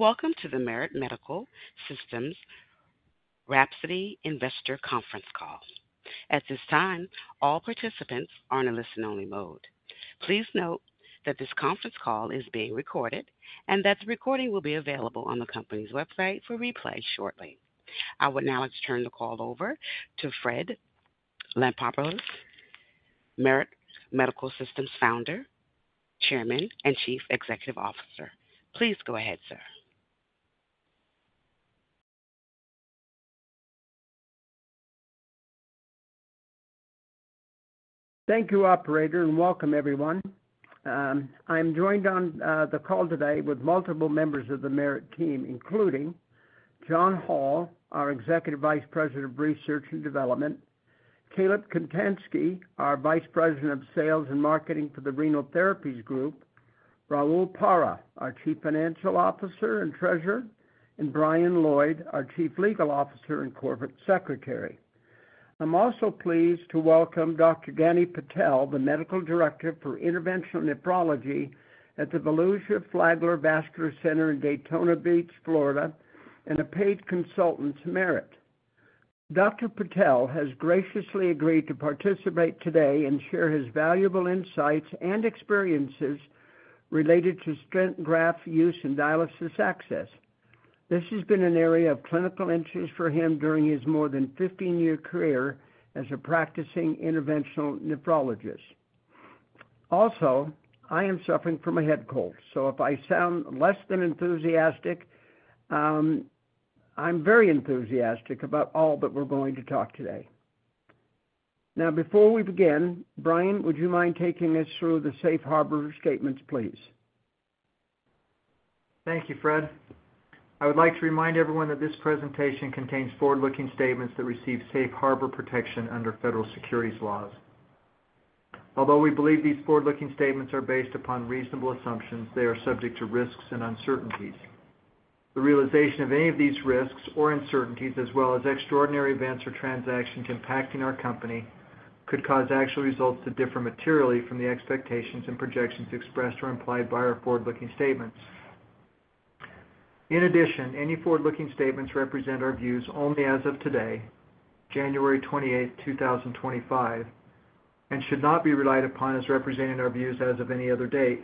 Welcome to the Merit Medical Systems WRAPSODY Investor Conference Call. At this time, all participants are in a listen-only mode. Please note that this conference call is being recorded and that the recording will be available on the company's website for replay shortly. I will now turn the call over to Fred Lampropoulos, Merit Medical Systems Founder, Chairman, and Chief Executive Officer. Please go ahead, sir. Thank you, Operator, and welcome everyone. I'm joined on the call today with multiple members of the Merit team, including John Hall, our Executive Vice President of Research and Development, Caleb Konstanski, our Vice President of Sales and Marketing for the Renal Therapies Group, Raul Parra, our Chief Financial Officer and Treasurer, and Brian Lloyd, our Chief Legal Officer and Corporate Secretary. I'm also pleased to welcome Dr. Daniel Patel, the Medical Director for Interventional Nephrology at the Volusia-Flagler Vascular Center in Daytona Beach, Florida, and the principal consultant for Merit. Dr. Patel has graciously agreed to participate today and share his valuable insights and experiences related to stent graft use and dialysis access. This has been an area of clinical interest for him during his more than 15-year career as a practicing interventional nephrologist. Also, I am suffering from a head cold, so if I sound less than enthusiastic, I'm very enthusiastic about all that we're going to talk today. Now, before we begin, Brian, would you mind taking us through the safe harbor statements, please? Thank you, Fred. I would like to remind everyone that this presentation contains forward-looking statements that receive safe harbor protection under federal securities laws. Although we believe these forward-looking statements are based upon reasonable assumptions, they are subject to risks and uncertainties. The realization of any of these risks or uncertainties, as well as extraordinary events or transactions impacting our company, could cause actual results to differ materially from the expectations and projections expressed or implied by our forward-looking statements. In addition, any forward-looking statements represent our views only as of today, January 28, 2025, and should not be relied upon as representing our views as of any other date.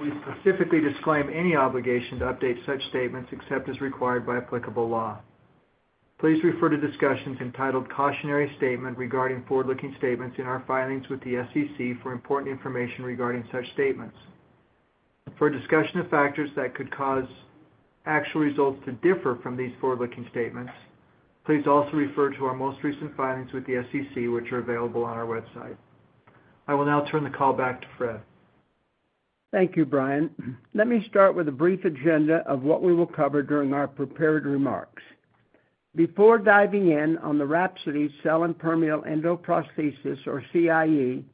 We specifically disclaim any obligation to update such statements except as required by applicable law. Please refer to discussions entitled "Cautionary Statement Regarding Forward-Looking Statements" in our filings with the SEC for important information regarding such statements. For discussion of factors that could cause actual results to differ from these forward-looking statements, please also refer to our most recent filings with the SEC, which are available on our website. I will now turn the call back to Fred. Thank you, Brian. Let me start with a brief agenda of what we will cover during our prepared remarks. Before diving in on the Rhapsody Cell-Impermeable Endoprosthesis, or CIE,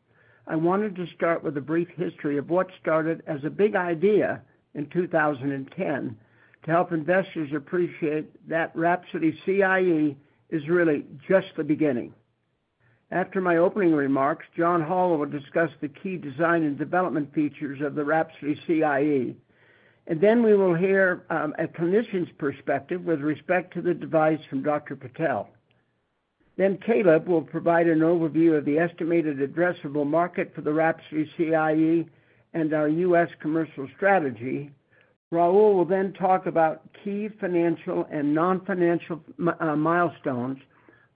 I wanted to start with a brief history of what started as a big idea in 2010 to help investors appreciate that WRAPSODY CIE is really just the beginning. After my opening remarks, John Hall will discuss the key design and development features of the WRAPSODY CIE, and then we will hear a clinician's perspective with respect to the device from Dr. Patel. Then Caleb will provide an overview of the estimated addressable market for the WRAPSODY CIE and our U.S. commercial strategy. Raul will then talk about key financial and non-financial milestones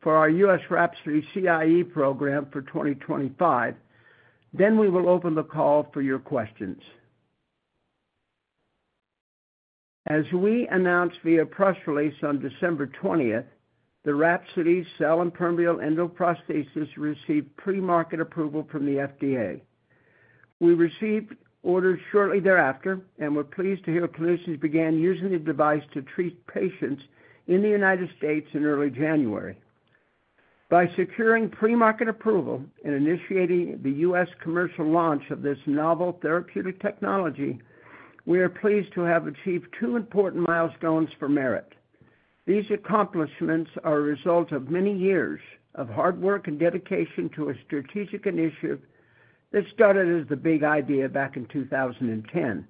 for our U.S. WRAPSODY CIE program for 2025. Then we will open the call for your questions. As we announced via press release on December 20, the Rhapsody Cell-Impermeable Endoprosthesis received Premarket Approval from the FDA. We received orders shortly thereafter and were pleased to hear clinicians began using the device to treat patients in the United States in early January. By securing Premarket Approval and initiating the U.S. commercial launch of this novel therapeutic technology, we are pleased to have achieved two important milestones for Merit. These accomplishments are a result of many years of hard work and dedication to a strategic initiative that started as the big idea back in 2010.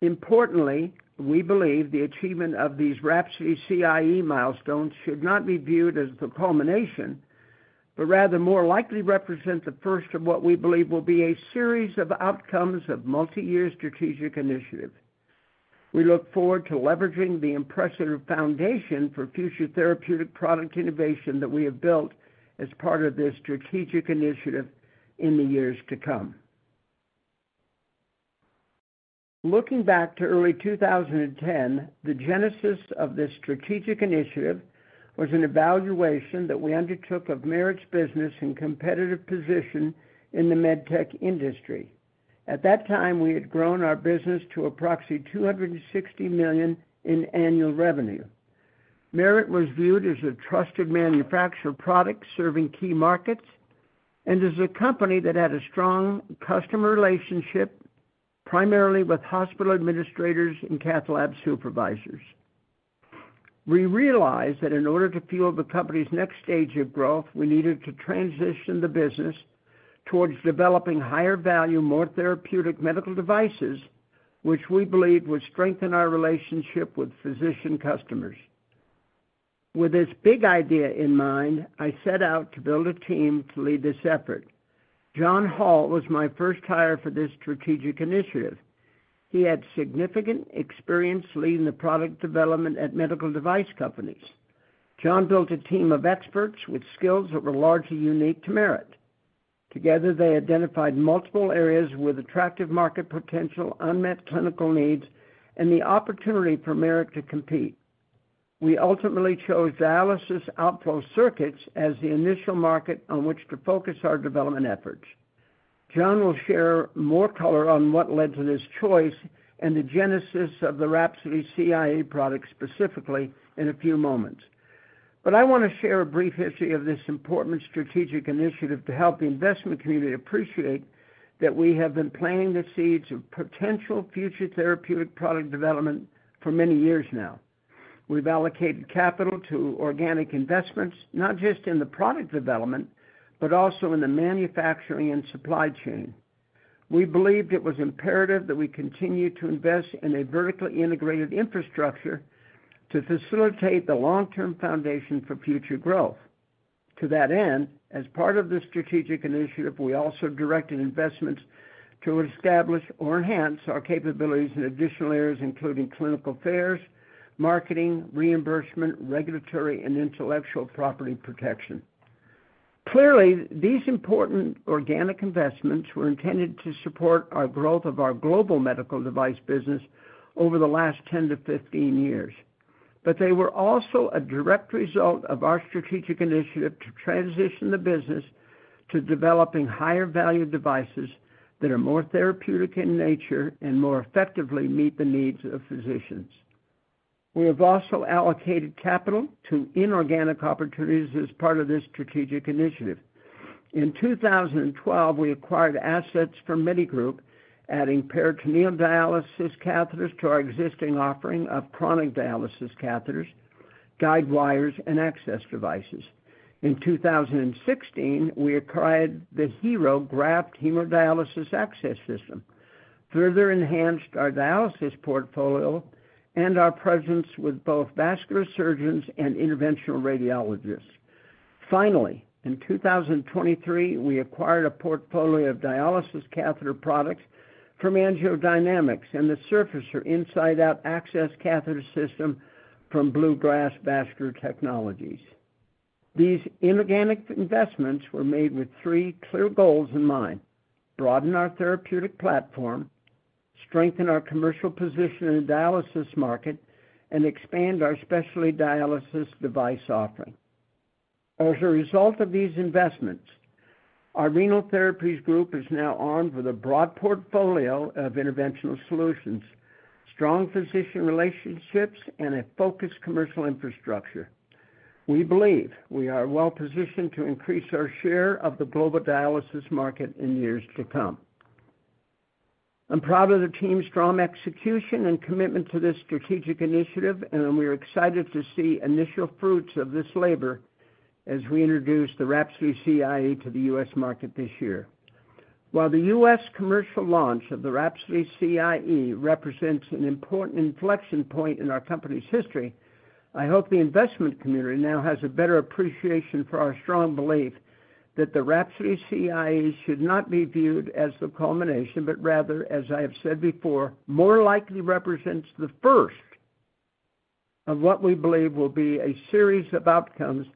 Importantly, we believe the achievement of these WRAPSODY CIE milestones should not be viewed as the culmination, but rather more likely represent the first of what we believe will be a series of outcomes of multi-year strategic initiative. We look forward to leveraging the impressive foundation for future therapeutic product innovation that we have built as part of this strategic initiative in the years to come. Looking back to early 2010, the genesis of this strategic initiative was an evaluation that we undertook of Merit's business and competitive position in the med tech industry. At that time, we had grown our business to approximately $260 million in annual revenue. Merit was viewed as a trusted manufacturer of products serving key markets and as a company that had a strong customer relationship primarily with hospital administrators and cath lab supervisors. We realized that in order to fuel the company's next stage of growth, we needed to transition the business towards developing higher value, more therapeutic medical devices, which we believed would strengthen our relationship with physician customers. With this big idea in mind, I set out to build a team to lead this effort. John Hall was my first hire for this strategic initiative. He had significant experience leading the product development at medical device companies. John built a team of experts with skills that were largely unique to Merit. Together, they identified multiple areas with attractive market potential, unmet clinical needs, and the opportunity for Merit to compete. We ultimately chose dialysis outflow circuits as the initial market on which to focus our development efforts. John will share more color on what led to this choice and the genesis of the Rhapsody CIE product specifically in a few moments. But I want to share a brief history of this important strategic initiative to help the investment community appreciate that we have been planting the seeds of potential future therapeutic product development for many years now. We've allocated capital to organic investments, not just in the product development, but also in the manufacturing and supply chain. We believed it was imperative that we continue to invest in a vertically integrated infrastructure to facilitate the long-term foundation for future growth. To that end, as part of this strategic initiative, we also directed investments to establish or enhance our capabilities in additional areas including clinical affairs, marketing, reimbursement, regulatory, and intellectual property protection. Clearly, these important organic investments were intended to support our growth of our global medical device business over the last 10 to 15 years, but they were also a direct result of our strategic initiative to transition the business to developing higher value devices that are more therapeutic in nature and more effectively meet the needs of physicians. We have also allocated capital to inorganic opportunities as part of this strategic initiative. In 2012, we acquired assets from Medigroup, adding peritoneal dialysis catheters to our existing offering of chronic dialysis catheters, guidewires, and access devices. In 2016, we acquired the HeRO Graft Hemodialysis Access System, further enhanced our dialysis portfolio and our presence with both vascular surgeons and interventional radiologists. Finally, in 2023, we acquired a portfolio of dialysis catheter products from AngioDynamics and the Surfacer Inside-Out Access Catheter System from Bluegrass Vascular Technologies. These inorganic investments were made with three clear goals in mind: broaden our therapeutic platform, strengthen our commercial position in the dialysis market, and expand our specialty dialysis device offering. As a result of these investments, our Renal Therapies Group is now armed with a broad portfolio of interventional solutions, strong physician relationships, and a focused commercial infrastructure. We believe we are well positioned to increase our share of the global dialysis market in years to come. I'm proud of the team's strong execution and commitment to this strategic initiative, and we're excited to see initial fruits of this labor as we introduce the Rhapsody CIE to the U.S. market this year. While the U.S. commercial launch of the Rhapsody CIE represents an important inflection point in our company's history, I hope the investment community now has a better appreciation for our strong belief that the Rhapsody CIE should not be viewed as the culmination, but rather, as I have said before, more likely represents the first of what we believe will be a series of outcomes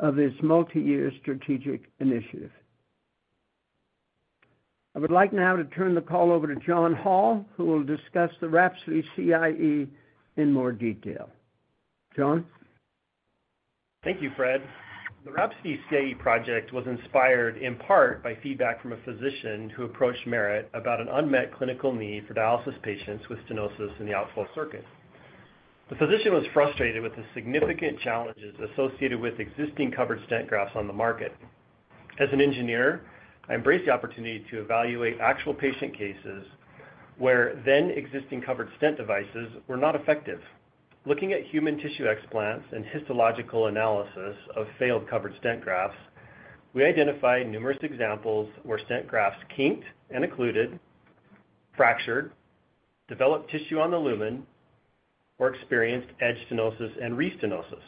of this multi-year strategic initiative. I would like now to turn the call over to John Hall, who will discuss the Rhapsody CIE in more detail. John? Thank you, Fred. The Rhapsody CIE project was inspired in part by feedback from a physician who approached Merit about an unmet clinical need for dialysis patients with stenosis in the outflow circuit. The physician was frustrated with the significant challenges associated with existing covered stent grafts on the market. As an engineer, I embraced the opportunity to evaluate actual patient cases where then-existing covered stent devices were not effective. Looking at human tissue explants and histological analysis of failed covered stent grafts, we identified numerous examples where stent grafts kinked and occluded, fractured, developed tissue on the lumen, or experienced edge stenosis and restenosis.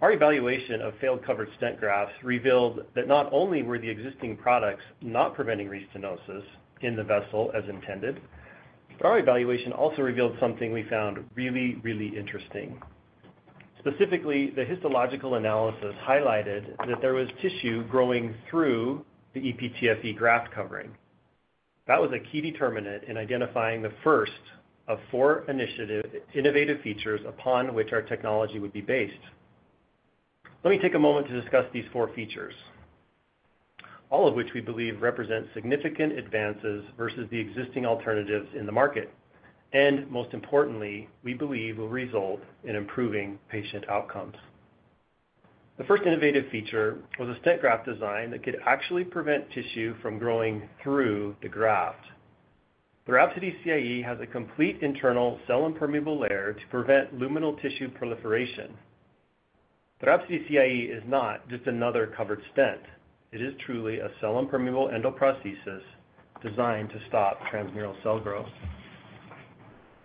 Our evaluation of failed covered stent grafts revealed that not only were the existing products not preventing restenosis in the vessel as intended, but our evaluation also revealed something we found really, really interesting. Specifically, the histological analysis highlighted that there was tissue growing through the ePTFE graft covering. That was a key determinant in identifying the first of four innovative features upon which our technology would be based. Let me take a moment to discuss these four features, all of which we believe represent significant advances versus the existing alternatives in the market, and most importantly, we believe will result in improving patient outcomes. The first innovative feature was a stent graft design that could actually prevent tissue from growing through the graft. The Rhapsody CIE has a complete internal cell-impermeable layer to prevent luminal tissue proliferation. The Rhapsody CIE is not just another covered stent. It is truly a cell-impermeable endoprosthesis designed to stop transmural cell growth.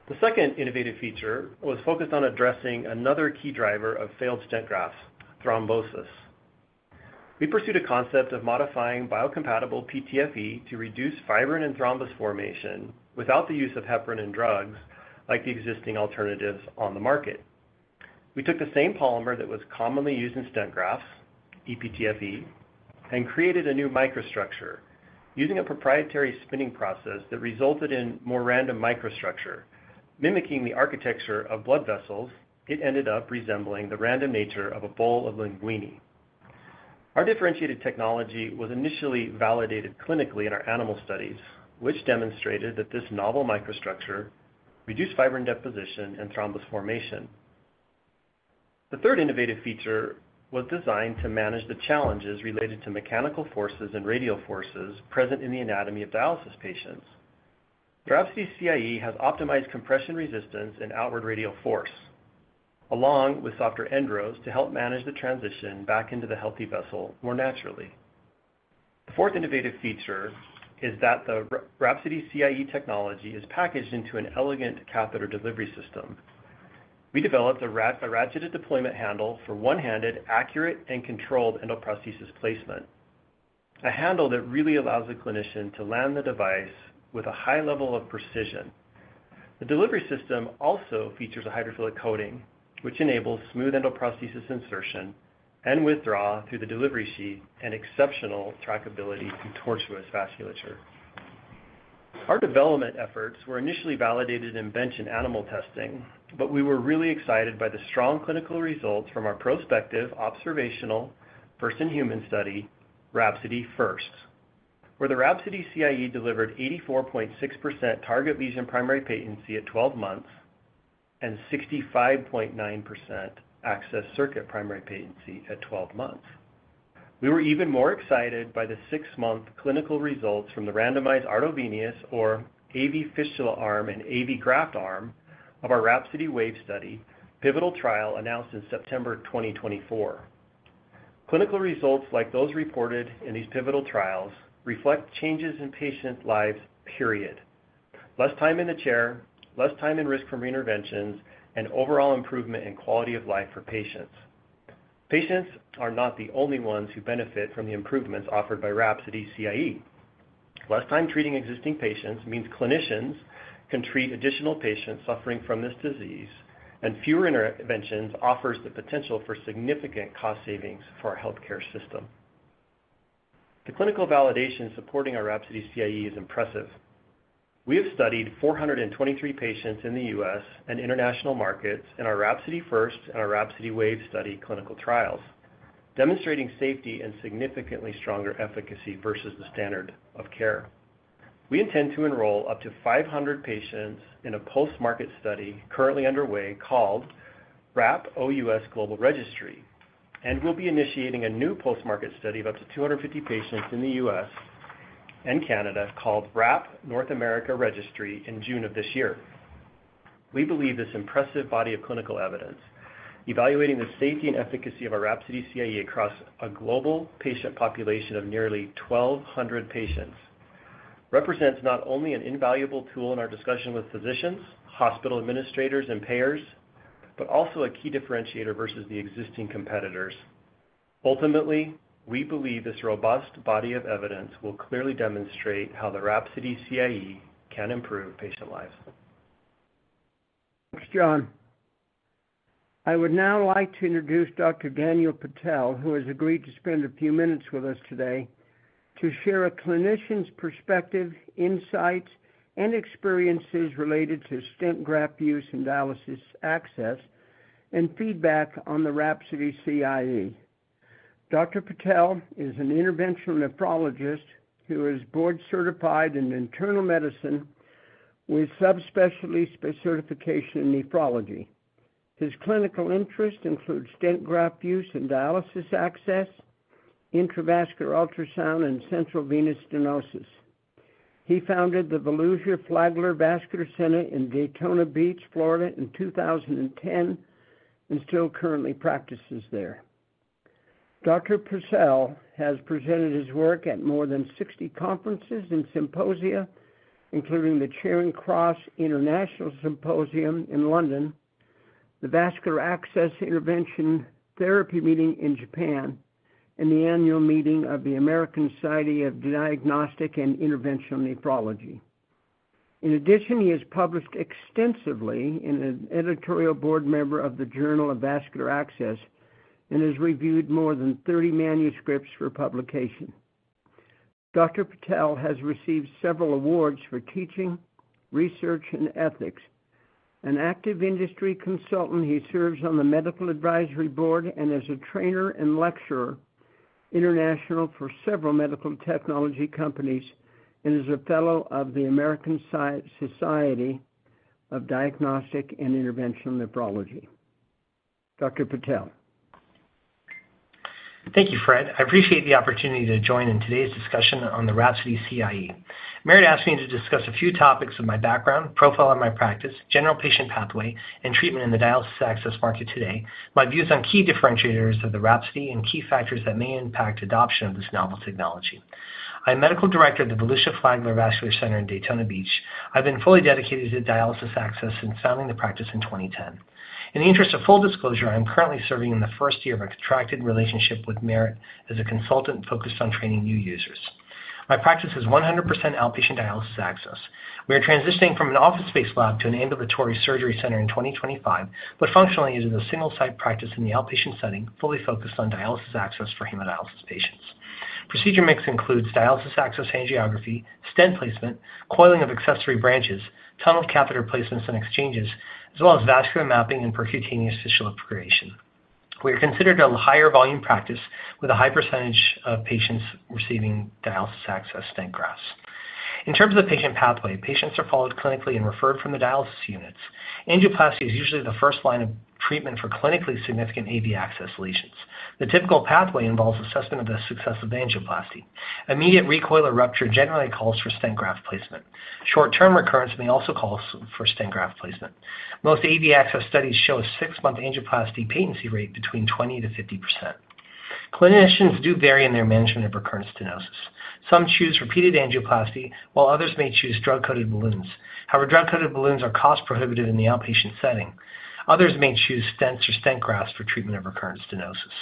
The second innovative feature was focused on addressing another key driver of failed stent grafts: thrombosis. We pursued a concept of modifying biocompatible ePTFE to reduce fibrin and thrombus formation without the use of heparin and drugs like the existing alternatives on the market. We took the same polymer that was commonly used in stent grafts, ePTFE, and created a new microstructure using a proprietary spinning process that resulted in more random microstructure. Mimicking the architecture of blood vessels, it ended up resembling the random nature of a bowl of linguini. Our differentiated technology was initially validated clinically in our animal studies, which demonstrated that this novel microstructure reduced fibrin deposition and thrombus formation. The third innovative feature was designed to manage the challenges related to mechanical forces and radial forces present in the anatomy of dialysis patients. The Rhapsody CIE has optimized compression resistance and outward radial force, along with softer end rows to help manage the transition back into the healthy vessel more naturally. The fourth innovative feature is that the Rhapsody CIE technology is packaged into an elegant catheter delivery system. We developed a ratcheted deployment handle for one-handed, accurate, and controlled endoprosthesis placement, a handle that really allows the clinician to land the device with a high level of precision. The delivery system also features a hydrophilic coating, which enables smooth endoprosthesis insertion and withdrawal through the delivery sheath and exceptional trackability through tortuous vasculature. Our development efforts were initially validated in bench and animal testing, but we were really excited by the strong clinical results from our prospective observational first-in-human study, Rhapsody FIRST, where the Rhapsody CIE delivered 84.6% target lesion primary patency at 12 months and 65.9% access circuit primary patency at 12 months. We were even more excited by the six-month clinical results from the randomized arteriovenous, or AV fistula arm, and AV graft arm of our Rhapsody WAvE study, pivotal trial announced in September 2024. Clinical results like those reported in these pivotal trials reflect changes in patient lives, period. Less time in the chair, less time in risk from interventions, and overall improvement in quality of life for patients. Patients are not the only ones who benefit from the improvements offered by Rhapsody CIE. Less time treating existing patients means clinicians can treat additional patients suffering from this disease, and fewer interventions offer the potential for significant cost savings for our healthcare system. The clinical validation supporting our Rhapsody CIE is impressive. We have studied 423 patients in the U.S. And international markets in our Rhapsody FIRST and our Rhapsody WAVE study clinical trials, demonstrating safety and significantly stronger efficacy versus the standard of care. We intend to enroll up to 500 patients in a post-market study currently underway called WRAP OUS Global Registry, and we'll be initiating a new post-market study of up to 250 patients in the U.S. and Canada called WRAP North America Registry in June of this year. We believe this impressive body of clinical evidence, evaluating the safety and efficacy of our Rhapsody CIE across a global patient population of nearly 1,200 patients, represents not only an invaluable tool in our discussion with physicians, hospital administrators, and payers, but also a key differentiator versus the existing competitors. Ultimately, we believe this robust body of evidence will clearly demonstrate how the Rhapsody CIE can improve patient lives. Thanks, John. I would now like to introduce Dr. Daniel Patel, who has agreed to spend a few minutes with us today to share a clinician's perspective, insights, and experiences related to stent graft use and dialysis access, and feedback on the Rhapsody CIE. Dr. Patel is an interventional nephrologist who is board-certified in internal medicine with subspecialty certification in nephrology. His clinical interests include stent graft use and dialysis access, intravascular ultrasound, and central venous stenosis. He founded the Volusia-Flagler Vascular Center in Daytona Beach, Florida, in 2010 and still currently practices there. Dr. Patel has presented his work at more than 60 conferences and symposia, including the Charing Cross International Symposium in London, the Vascular Access Intervention Therapy Meeting in Japan, and the annual meeting of the American Society of Diagnostic and Interventional Nephrology. In addition, he has published extensively and is an editorial board member of the Journal of Vascular Access and has reviewed more than 30 manuscripts for publication. Dr. Patel has received several awards for teaching, research, and ethics. An active industry consultant, he serves on the Medical Advisory Board and as a trainer and lecturer internationally for several medical technology companies and is a fellow of the American Society of Diagnostic and Interventional Nephrology. Dr. Patel. Thank you, Fred. I appreciate the opportunity to join in today's discussion on the Rhapsody CIE. Merit asked me to discuss a few topics of my background, profile of my practice, general patient pathway, and treatment in the dialysis access market today, my views on key differentiators of the Rhapsody, and key factors that may impact adoption of this novel technology. I'm Medical Director of the Volusia-Flagler Vascular Center in Daytona Beach. I've been fully dedicated to dialysis access since founding the practice in 2010. In the interest of full disclosure, I'm currently serving in the first year of a contracted relationship with Merit as a consultant focused on training new users. My practice is 100% outpatient dialysis access. We are transitioning from an office-based lab to an ambulatory surgery center in 2025, but functionally it is a single-site practice in the outpatient setting, fully focused on dialysis access for hemodialysis patients. Procedure mix includes dialysis access angiography, stent placement, coiling of accessory branches, tunneled catheter placements and exchanges, as well as vascular mapping and percutaneous fistula creation. We are considered a higher volume practice with a high percentage of patients receiving dialysis access stent grafts. In terms of the patient pathway, patients are followed clinically and referred from the dialysis units. Angioplasty is usually the first line of treatment for clinically significant AV access lesions. The typical pathway involves assessment of the success of angioplasty. Immediate recoil or rupture generally calls for stent graft placement. Short-term recurrence may also call for stent graft placement. Most AV access studies show a six-month angioplasty patency rate between 20%-50%. Clinicians do vary in their management of recurrent stenosis. Some choose repeated angioplasty, while others may choose drug-coated balloons. However, drug-coated balloons are cost-prohibitive in the outpatient setting. Others may choose stents or stent grafts for treatment of recurrent stenosis.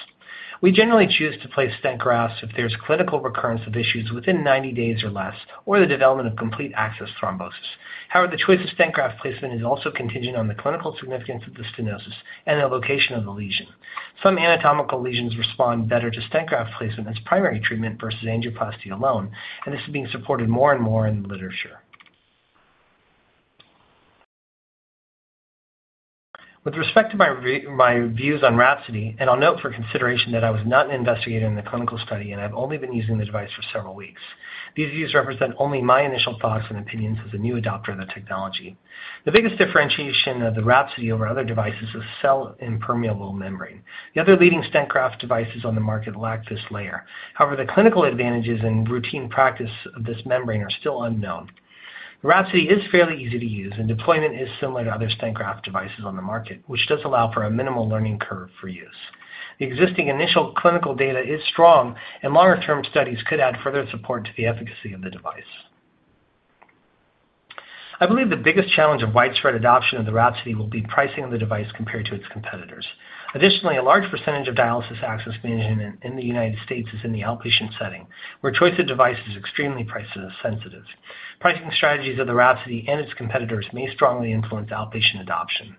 We generally choose to place stent grafts if there's clinical recurrence of issues within 90 days or less, or the development of complete access thrombosis. However, the choice of stent graft placement is also contingent on the clinical significance of the stenosis and the location of the lesion. Some anatomical lesions respond better to stent graft placement as primary treatment versus angioplasty alone, and this is being supported more and more in the literature. With respect to my views on Rhapsody, and I'll note for consideration that I was not an investigator in the clinical study and I've only been using the device for several weeks. These views represent only my initial thoughts and opinions as a new adopter of the technology. The biggest differentiation of the Rhapsody over other devices is cell-impermeable membrane. The other leading stent graft devices on the market lack this layer. However, the clinical advantages and routine practice of this membrane are still unknown. The Rhapsody is fairly easy to use, and deployment is similar to other stent graft devices on the market, which does allow for a minimal learning curve for use. The existing initial clinical data is strong, and longer-term studies could add further support to the efficacy of the device. I believe the biggest challenge of widespread adoption of the Rhapsody will be pricing of the device compared to its competitors. Additionally, a large percentage of dialysis access management in the United States is in the outpatient setting, where choice of device is extremely price-sensitive. Pricing strategies of the Rhapsody and its competitors may strongly influence outpatient adoption.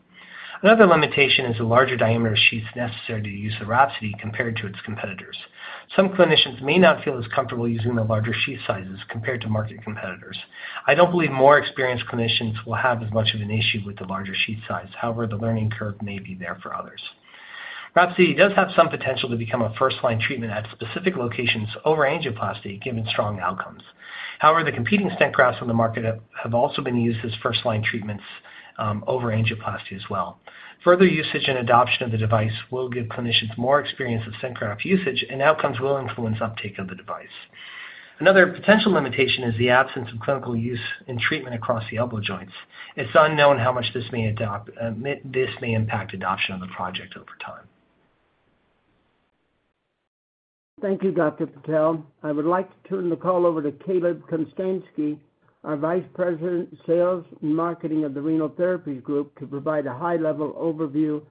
Another limitation is the larger diameter sheaths necessary to use the Rhapsody compared to its competitors. Some clinicians may not feel as comfortable using the larger sheath sizes compared to market competitors. I don't believe more experienced clinicians will have as much of an issue with the larger sheath size. However, the learning curve may be there for others. Rhapsody does have some potential to become a first-line treatment at specific locations over angioplasty, given strong outcomes. However, the competing stent grafts on the market have also been used as first-line treatments over angioplasty as well. Further usage and adoption of the device will give clinicians more experience of stent graft usage, and outcomes will influence uptake of the device. Another potential limitation is the absence of clinical use and treatment across the elbow joints. It's unknown how much this may impact adoption of the project over time. Thank you, Dr. Patel. I would like to turn the call over to Caleb Konstanski, our Vice President of Sales and Marketing of the Renal Therapies Group, to provide a high-level overview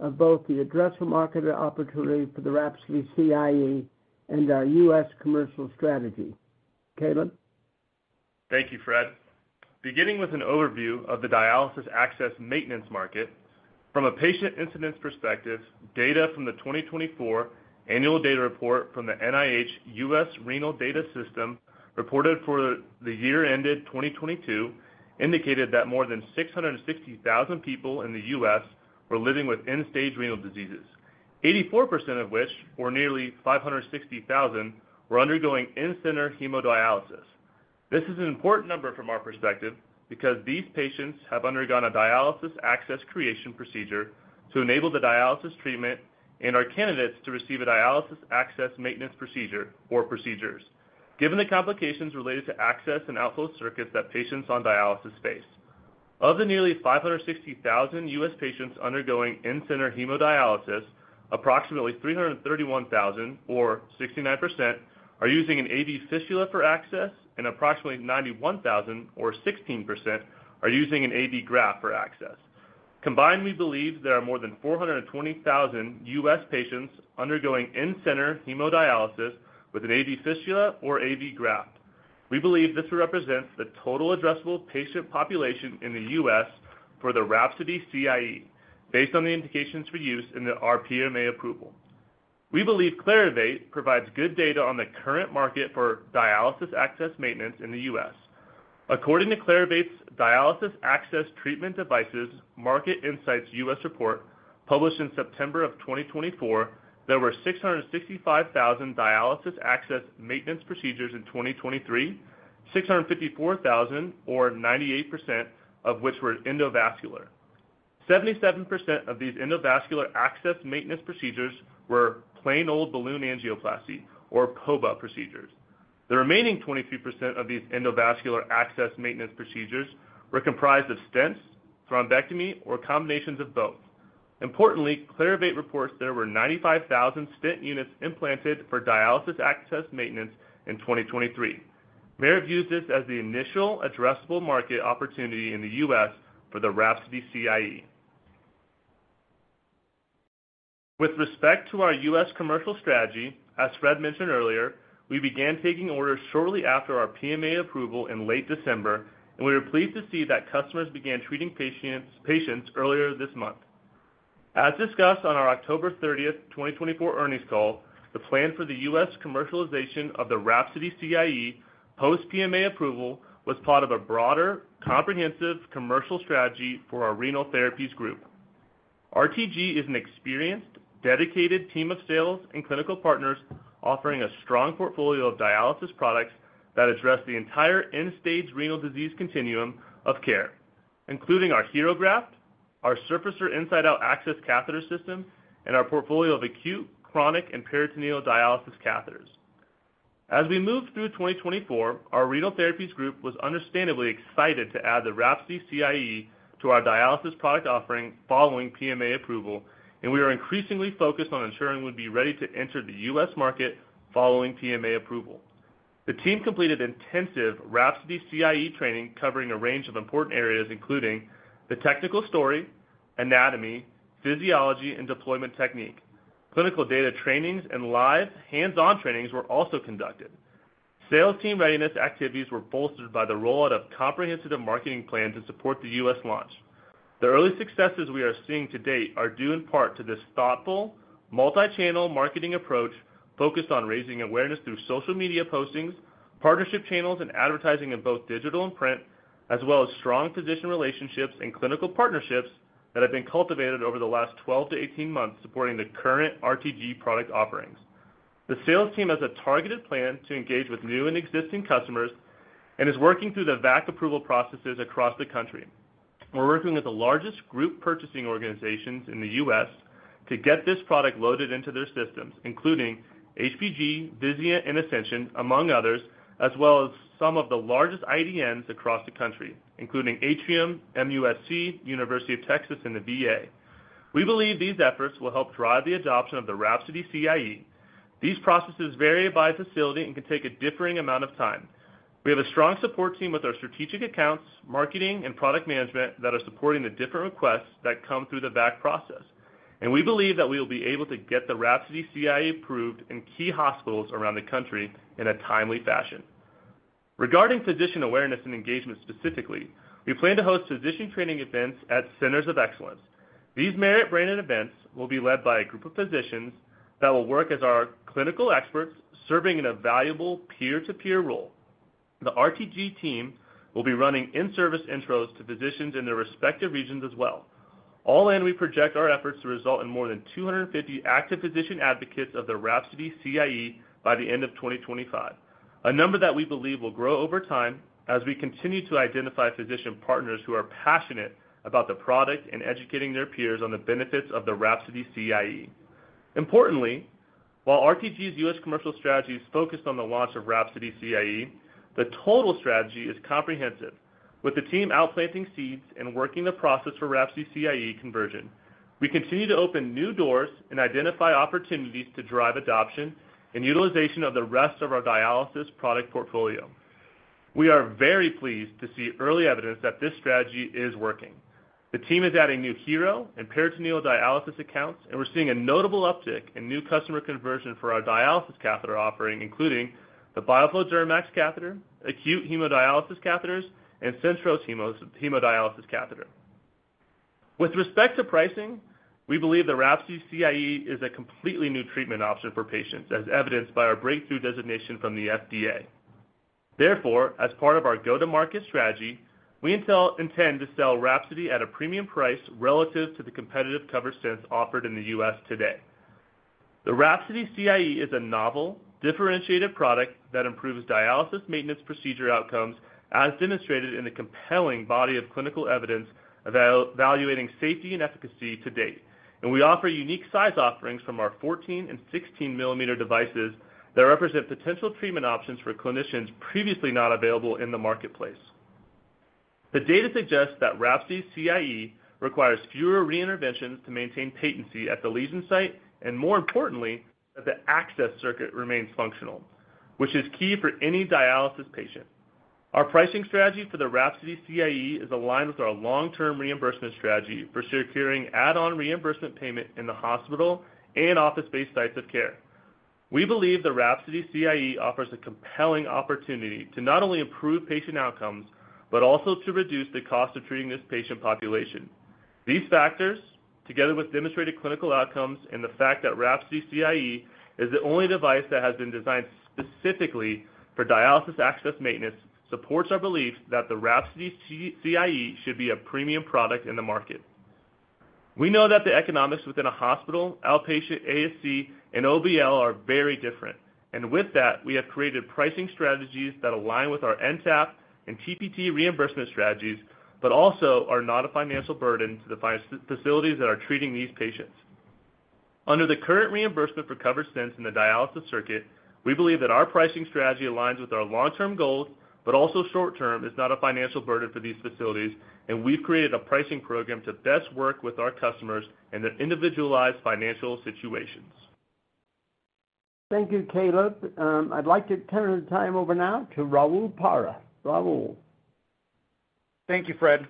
of both the addressable market opportunity for the Rhapsody CIE and our U.S. commercial strategy. Caleb? Thank you, Fred. Beginning with an overview of the dialysis access maintenance market, from a patient incidence perspective, data from the 2024 annual data report from the NIH U.S. Renal Data System reported for the year ended 2022 indicated that more than 660,000 people in the U.S. were living with end-stage renal diseases, 84% of which, or nearly 560,000, were undergoing in-center hemodialysis. This is an important number from our perspective because these patients have undergone a dialysis access creation procedure to enable the dialysis treatment and are candidates to receive a dialysis access maintenance procedure or procedures, given the complications related to access and outflow circuits that patients on dialysis face. Of the nearly 560,000 U.S. patients undergoing in-center hemodialysis, approximately 331,000, or 69%, are using an AV fistula for access, and approximately 91,000, or 16%, are using an AV graft for access. Combined, we believe there are more than 420,000 U.S. patients undergoing in-center hemodialysis with an AV fistula or AV graft. We believe this represents the total addressable patient population in the U.S. for the Rhapsody CIE, based on the indications for use in the PMA approval. We believe Clarivate provides good data on the current market for dialysis access maintenance in the U.S. According to Clarivate's Dialysis Access Treatment Devices Market Insights U.S. Report, published in September of 2024, there were 665,000 dialysis access maintenance procedures in 2023, 654,000, or 98% of which were endovascular. 77% of these endovascular access maintenance procedures were plain old balloon angioplasty, or POBA procedures. The remaining 23% of these endovascular access maintenance procedures were comprised of stents, thrombectomy, or combinations of both. Importantly, Clarivate reports there were 95,000 stent units implanted for dialysis access maintenance in 2023. Merit views this as the initial addressable market opportunity in the U.S. for the Rhapsody CIE. With respect to our U.S. commercial strategy, as Fred mentioned earlier, we began taking orders shortly after our PMA approval in late December, and we were pleased to see that customers began treating patients earlier this month. As discussed on our October 30, 2024, earnings call, the plan for the U.S. commercialization of the Rhapsody CIE post-PMA approval was part of a broader, comprehensive commercial strategy for our Renal Therapies Group. RTG is an experienced, dedicated team of sales and clinical partners offering a strong portfolio of dialysis products that address the entire end-stage renal disease continuum of care, including our HeRO Graft, our Surfacer Inside-Out Access Catheter System, and our portfolio of acute, chronic, and peritoneal dialysis catheters. As we move through 2024, our Renal Therapies Group was understandably excited to add the Rhapsody CIE to our dialysis product offering following PMA approval, and we are increasingly focused on ensuring we'll be ready to enter the U.S. market following PMA approval. The team completed intensive Rhapsody CIE training covering a range of important areas, including the technical story, anatomy, physiology, and deployment technique. Clinical data trainings and live hands-on trainings were also conducted. Sales team readiness activities were bolstered by the rollout of comprehensive marketing plans to support the U.S. launch. The early successes we are seeing to date are due in part to this thoughtful, multi-channel marketing approach focused on raising awareness through social media postings, partnership channels, and advertising in both digital and print, as well as strong physician relationships and clinical partnerships that have been cultivated over the last 12 to 18 months supporting the current RTG product offerings. The sales team has a targeted plan to engage with new and existing customers and is working through the VAC approval processes across the country. We're working with the largest group purchasing organizations in the U.S. to get this product loaded into their systems, including HPG, Vizient, and Ascension, among others, as well as some of the largest IDNs across the country, including Atrium, MUSC, University of Texas, and the VA. We believe these efforts will help drive the adoption of the Rhapsody CIE. These processes vary by facility and can take a differing amount of time. We have a strong support team with our strategic accounts, marketing, and product management that are supporting the different requests that come through the VAC process, and we believe that we will be able to get the Rhapsody CIE approved in key hospitals around the country in a timely fashion. Regarding physician awareness and engagement specifically, we plan to host physician training events at centers of excellence. These Merit branded events will be led by a group of physicians that will work as our clinical experts, serving in a valuable peer-to-peer role. The RTG team will be running in-service intros to physicians in their respective regions as well. All in, we project our efforts to result in more than 250 active physician advocates of the Rhapsody CIE by the end of 2025, a number that we believe will grow over time as we continue to identify physician partners who are passionate about the product and educating their peers on the benefits of the Rhapsody CIE. Importantly, while RTG's U.S. commercial strategy is focused on the launch of Rhapsody CIE, the total strategy is comprehensive, with the team outplanting seeds and working the process for Rhapsody CIE conversion. We continue to open new doors and identify opportunities to drive adoption and utilization of the rest of our dialysis product portfolio. We are very pleased to see early evidence that this strategy is working. The team is adding new HeRO and peritoneal dialysis accounts, and we're seeing a notable uptick in new customer conversion for our dialysis catheter offering, including the BioFlo DuraMax catheter, acute hemodialysis catheters, and Centros hemodialysis catheter. With respect to pricing, we believe the Rhapsody CIE is a completely new treatment option for patients, as evidenced by our breakthrough designation from the FDA. Therefore, as part of our go-to-market strategy, we intend to sell Rhapsody at a premium price relative to the competitive cover stents offered in the U.S. today. The Rhapsody CIE is a novel, differentiated product that improves dialysis maintenance procedure outcomes, as demonstrated in the compelling body of clinical evidence evaluating safety and efficacy to date, and we offer unique size offerings from our 14- and 16-millimeter devices that represent potential treatment options for clinicians previously not available in the marketplace. The data suggests that Rhapsody CIE requires fewer re-interventions to maintain patency at the lesion site and, more importantly, that the access circuit remains functional, which is key for any dialysis patient. Our pricing strategy for the Rhapsody CIE is aligned with our long-term reimbursement strategy for securing add-on reimbursement payment in the hospital and office-based sites of care. We believe the Rhapsody CIE offers a compelling opportunity to not only improve patient outcomes, but also to reduce the cost of treating this patient population. These factors, together with demonstrated clinical outcomes and the fact that Rhapsody CIE is the only device that has been designed specifically for dialysis access maintenance, supports our belief that the Rhapsody CIE should be a premium product in the market. We know that the economics within a hospital, outpatient, ASC, and OBL are very different. And with that, we have created pricing strategies that align with our NTAP and TPT reimbursement strategies, but also are not a financial burden to the facilities that are treating these patients. Under the current reimbursement for covered stents in the dialysis circuit, we believe that our pricing strategy aligns with our long-term goals, but also short-term is not a financial burden for these facilities, and we've created a pricing program to best work with our customers and their individualized financial situations. Thank you, Caleb. I'd like to turn the time over now to Raul Parra. Raul. Thank you, Fred.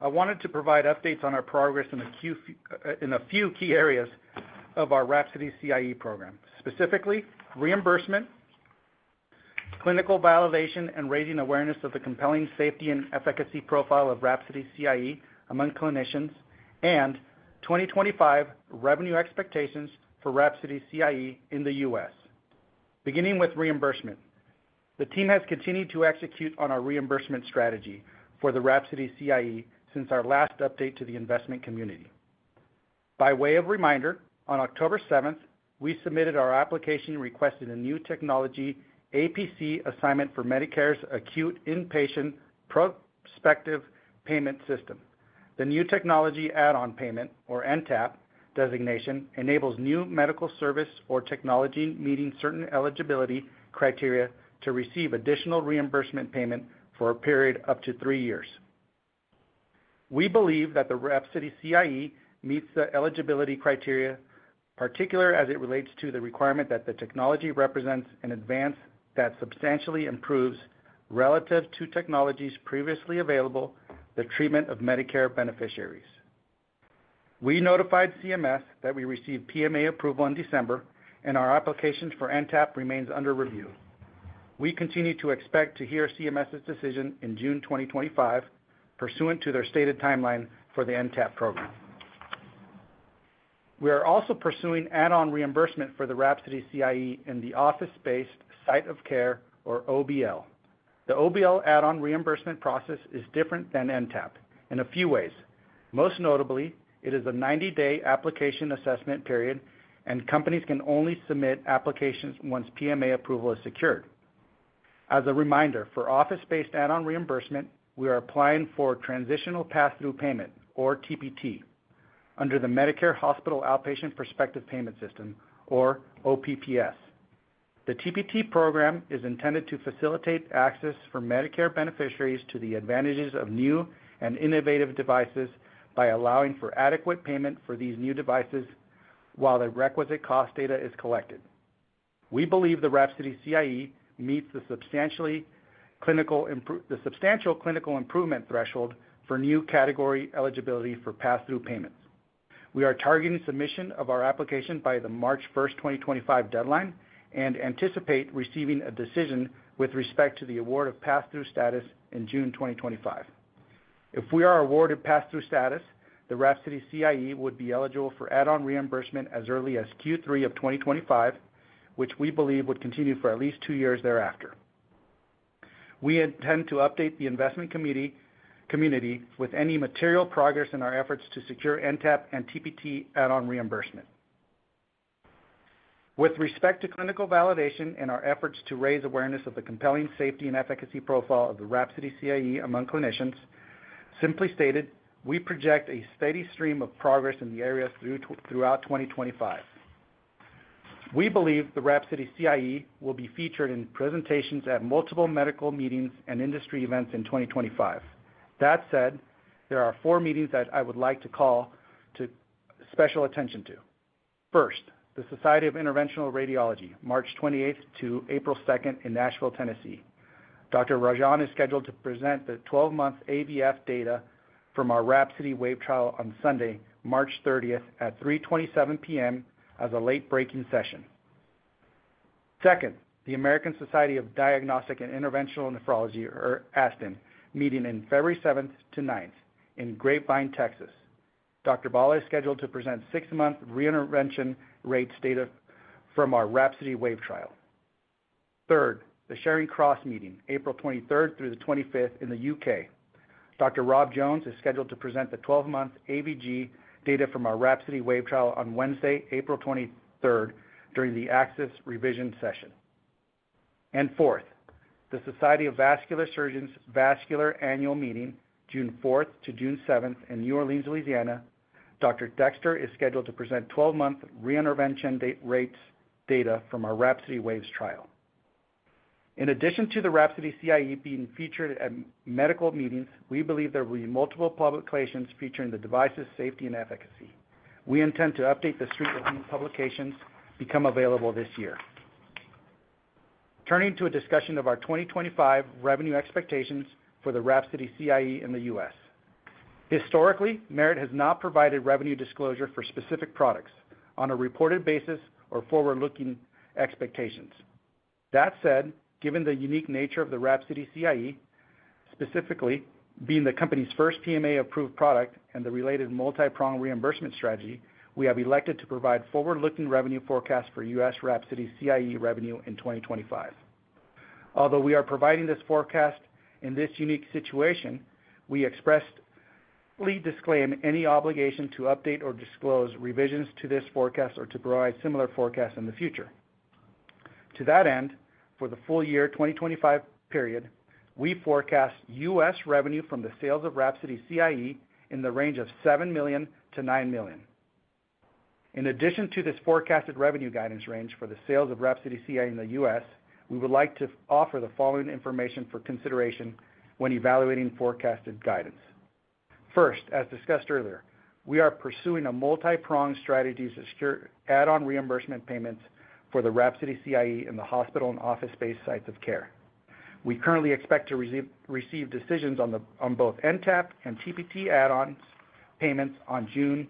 I wanted to provide updates on our progress in a few key areas of our Rhapsody CIE program, specifically reimbursement, clinical validation, and raising awareness of the compelling safety and efficacy profile of Rhapsody CIE among clinicians, and 2025 revenue expectations for Rhapsody CIE in the U.S. Beginning with reimbursement, the team has continued to execute on our reimbursement strategy for the Rhapsody CIE since our last update to the investment community. By way of reminder, on October 7, we submitted our application requesting a new technology APC assignment for Medicare's acute inpatient prospective payment system. The new technology add-on payment, or NTAP, designation enables new medical service or technology meeting certain eligibility criteria to receive additional reimbursement payment for a period up to three years. We believe that the Rhapsody CIE meets the eligibility criteria, particularly as it relates to the requirement that the technology represents an advance that substantially improves relative to technologies previously available, the treatment of Medicare beneficiaries. We notified CMS that we received PMA approval in December, and our application for NTAP remains under review. We continue to expect to hear CMS's decision in June 2025, pursuant to their stated timeline for the NTAP program. We are also pursuing add-on reimbursement for the Rhapsody CIE in the office-based site of care, or OBL. The OBL add-on reimbursement process is different than NTAP in a few ways. Most notably, it is a 90-day application assessment period, and companies can only submit applications once PMA approval is secured. As a reminder, for office-based add-on reimbursement, we are applying for transitional pass-through payment, or TPT, under the Medicare Hospital Outpatient Prospective Payment System, or OPPS. The TPT program is intended to facilitate access for Medicare beneficiaries to the advantages of new and innovative devices by allowing for adequate payment for these new devices while the requisite cost data is collected. We believe the Rhapsody CIE meets the substantial clinical improvement threshold for new category eligibility for pass-through payments. We are targeting submission of our application by the March 1, 2025, deadline and anticipate receiving a decision with respect to the award of pass-through status in June 2025. If we are awarded pass-through status, the Rhapsody CIE would be eligible for add-on reimbursement as early as Q3 of 2025, which we believe would continue for at least two years thereafter. We intend to update the investment community with any material progress in our efforts to secure NTAP and TPT add-on reimbursement. With respect to clinical validation and our efforts to raise awareness of the compelling safety and efficacy profile of the Rhapsody CIE among clinicians, simply stated, we project a steady stream of progress in the areas throughout 2025. We believe the Rhapsody CIE will be featured in presentations at multiple medical meetings and industry events in 2025. That said, there are four meetings that I would like to call to special attention to. First, the Society of Interventional Radiology, March 28 to April 2 in Nashville, Tennessee. Dr. Rajan is scheduled to present the 12-month AVF data from our Rhapsody Wave trial on Sunday, March 30, at 3:27 P.M. as a late-breaking session. Second, the American Society of Diagnostic and Interventional Nephrology, or ASDIN, meeting on February 7 to 9 in Grapevine, Texas. Dr. Balla is scheduled to present six-month reintervention rate data from our Rhapsody Wave trial. Third, the Charing Cross meeting, April 23 through the 25th in the UK. Dr. Rob Jones is scheduled to present the 12-month AVG data from our Rhapsody Wave trial on Wednesday, April 23, during the access revision session. And fourth, the Society for Vascular Surgery Annual Meeting, June 4 to June 7 in New Orleans, Louisiana. Dr. Dexter is scheduled to present 12-month reintervention rate data from our Rhapsody Wave trial. In addition to the Rhapsody CIE being featured at medical meetings, we believe there will be multiple publications featuring the device's safety and efficacy. We intend to update the Street publications that become available this year. Turning to a discussion of our 2025 revenue expectations for the Rhapsody CIE in the U.S. Historically, Merit has not provided revenue disclosure for specific products on a reported basis or forward-looking expectations. That said, given the unique nature of the Rhapsody CIE, specifically being the company's first PMA-approved product and the related multi-prong reimbursement strategy, we have elected to provide forward-looking revenue forecasts for U.S. Rhapsody CIE revenue in 2025. Although we are providing this forecast in this unique situation, we expressly disclaim any obligation to update or disclose revisions to this forecast or to provide similar forecasts in the future. To that end, for the full year 2025 period, we forecast U.S. revenue from the sales of Rhapsody CIE in the range of $7 million-$9 million. In addition to this forecasted revenue guidance range for the sales of Rhapsody CIE in the U.S., we would like to offer the following information for consideration when evaluating forecasted guidance. First, as discussed earlier, we are pursuing a multi-prong strategy to secure add-on reimbursement payments for the Rhapsody CIE in the hospital and office-based sites of care. We currently expect to receive decisions on both NTAP and TPT add-on payments in June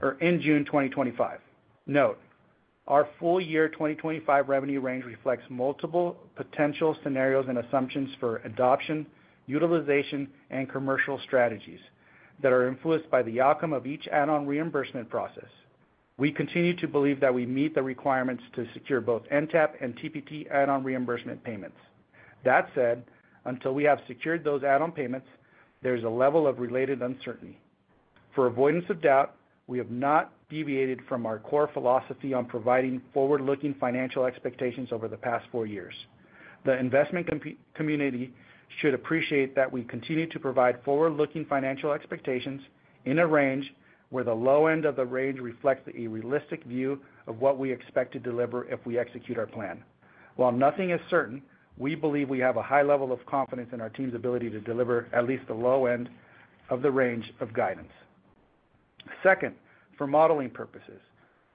2025. Note, our full year 2025 revenue range reflects multiple potential scenarios and assumptions for adoption, utilization, and commercial strategies that are influenced by the outcome of each add-on reimbursement process. We continue to believe that we meet the requirements to secure both NTAP and TPT add-on reimbursement payments. That said, until we have secured those add-on payments, there is a level of related uncertainty. For avoidance of doubt, we have not deviated from our core philosophy on providing forward-looking financial expectations over the past four years. The investment community should appreciate that we continue to provide forward-looking financial expectations in a range where the low end of the range reflects a realistic view of what we expect to deliver if we execute our plan. While nothing is certain, we believe we have a high level of confidence in our team's ability to deliver at least the low end of the range of guidance. Second, for modeling purposes,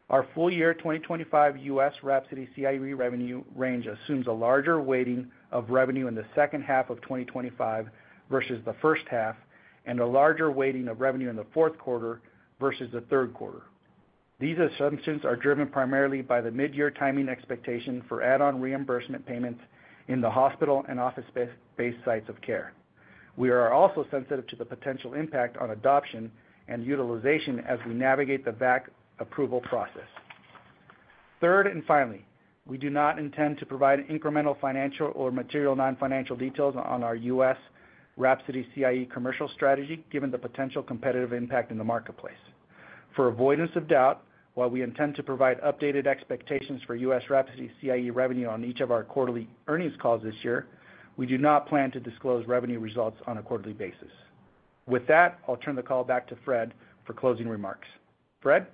our full year 2025 U.S. Rhapsody CIE revenue range assumes a larger weighting of revenue in the second half of 2025 versus the first half, and a larger weighting of revenue in the fourth quarter versus the third quarter. These assumptions are driven primarily by the mid-year timing expectation for add-on reimbursement payments in the hospital and office-based sites of care. We are also sensitive to the potential impact on adoption and utilization as we navigate the VAC approval process. Third and finally, we do not intend to provide incremental financial or material non-financial details on our U.S. Rhapsody CIE commercial strategy, given the potential competitive impact in the marketplace. For avoidance of doubt, while we intend to provide updated expectations for U.S. Rhapsody CIE revenue on each of our quarterly earnings calls this year, we do not plan to disclose revenue results on a quarterly basis. With that, I'll turn the call back to Fred for closing remarks. Fred?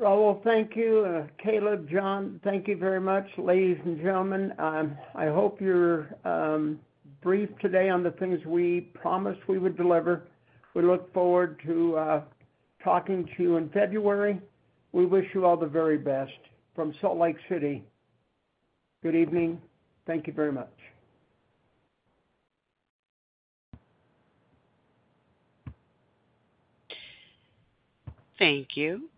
Raul, thank you. Caleb, John, thank you very much. Ladies and gentlemen, I hope you've been briefed today on the things we promised we would deliver. We look forward to talking to you in February. We wish you all the very best from Salt Lake City. Good evening. Thank you very much. Thank you.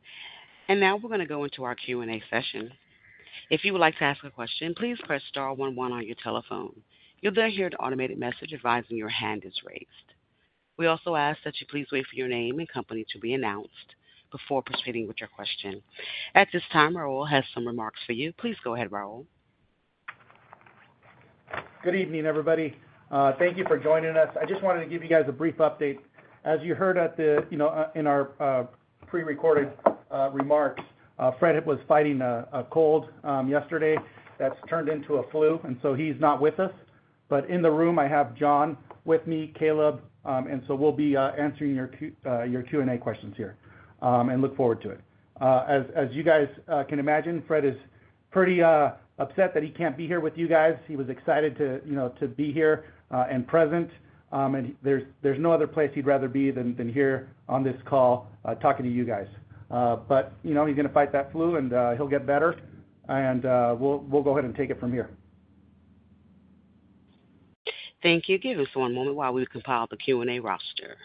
And now we're going to go into our Q&A session. If you would like to ask a question, please press star 11 on your telephone. You'll then hear an automated message advising your hand is raised. We also ask that you please wait for your name and company to be announced before proceeding with your question. At this time, Raul has some remarks for you. Please go ahead, Raul. Good evening, everybody. Thank you for joining us. I just wanted to give you guys a brief update. As you heard in our pre-recorded remarks, Fred was fighting a cold yesterday that's turned into a flu, and so he's not with us. But in the room, I have John with me, Caleb, and so we'll be answering your Q&A questions here and look forward to it. As you guys can imagine, Fred is pretty upset that he can't be here with you guys. He was excited to be here and present, and there's no other place he'd rather be than here on this call talking to you guys. But he's going to fight that flu, and he'll get better, and we'll go ahead and take it from here. Thank you. Give us one moment while we compile the Q&A roster.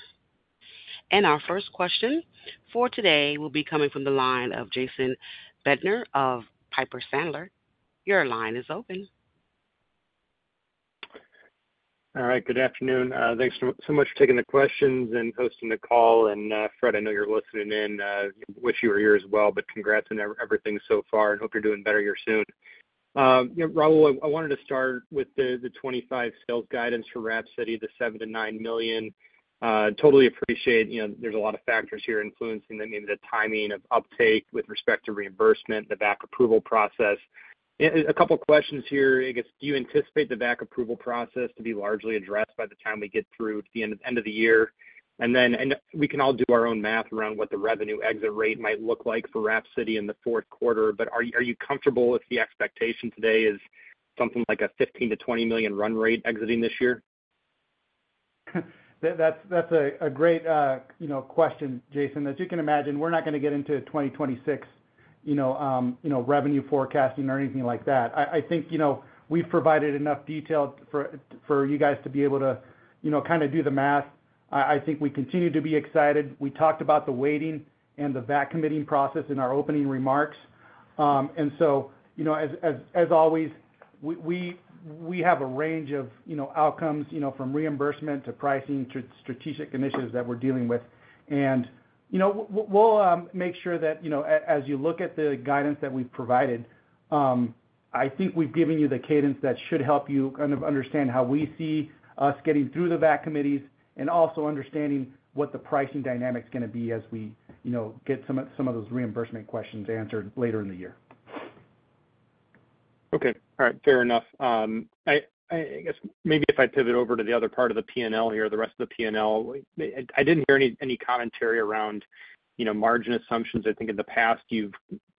And our first question for today will be coming from the line of Jason Bednar of Piper Sandler. Your line is open. All right. Good afternoon. Thanks so much for taking the questions and hosting the call. And Fred, I know you're listening in. Wish you were here as well, but congrats on everything so far, and hope you're doing better here soon. Raul, I wanted to start with the 25 sales guidance for Rhapsody, the $7 million-$9 million. Totally appreciate there's a lot of factors here influencing the timing of uptake with respect to reimbursement, the VAC approval process. A couple of questions here. I guess, do you anticipate the VAC approval process to be largely addressed by the time we get through to the end of the year? And then we can all do our own math around what the revenue exit rate might look like for Rhapsody in the fourth quarter, but are you comfortable if the expectation today is something like a $15 million-$20 million run rate exiting this year? That's a great question, Jason. As you can imagine, we're not going to get into 2026 revenue forecasting or anything like that. I think we've provided enough detail for you guys to be able to kind of do the math. I think we continue to be excited. We talked about the waiting and the VAC committee process in our opening remarks. And so, as always, we have a range of outcomes from reimbursement to pricing to strategic initiatives that we're dealing with. And we'll make sure that as you look at the guidance that we've provided, I think we've given you the cadence that should help you kind of understand how we see us getting through the VAC committees and also understanding what the pricing dynamic's going to be as we get some of those reimbursement questions answered later in the year. Okay. All right. Fair enough. I guess maybe if I pivot over to the other part of the P&L here, the rest of the P&L, I didn't hear any commentary around margin assumptions. I think in the past, you've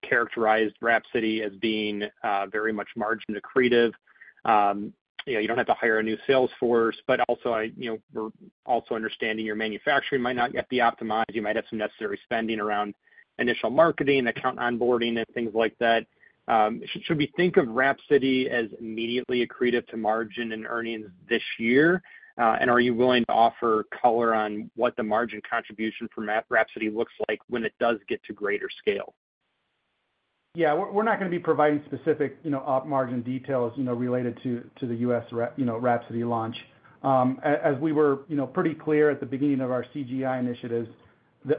characterized Rhapsody as being very much margin accretive. You don't have to hire a new sales force, but we're also understanding your manufacturing might not yet be optimized. You might have some necessary spending around initial marketing, account onboarding, and things like that. Should we think of Rhapsody as immediately accretive to margin and earnings this year? And are you willing to offer color on what the margin contribution for Rhapsody looks like when it does get to greater scale? Yeah. We're not going to be providing specific margin details related to the U.S. Rhapsody launch. As we were pretty clear at the beginning of our CGI initiatives,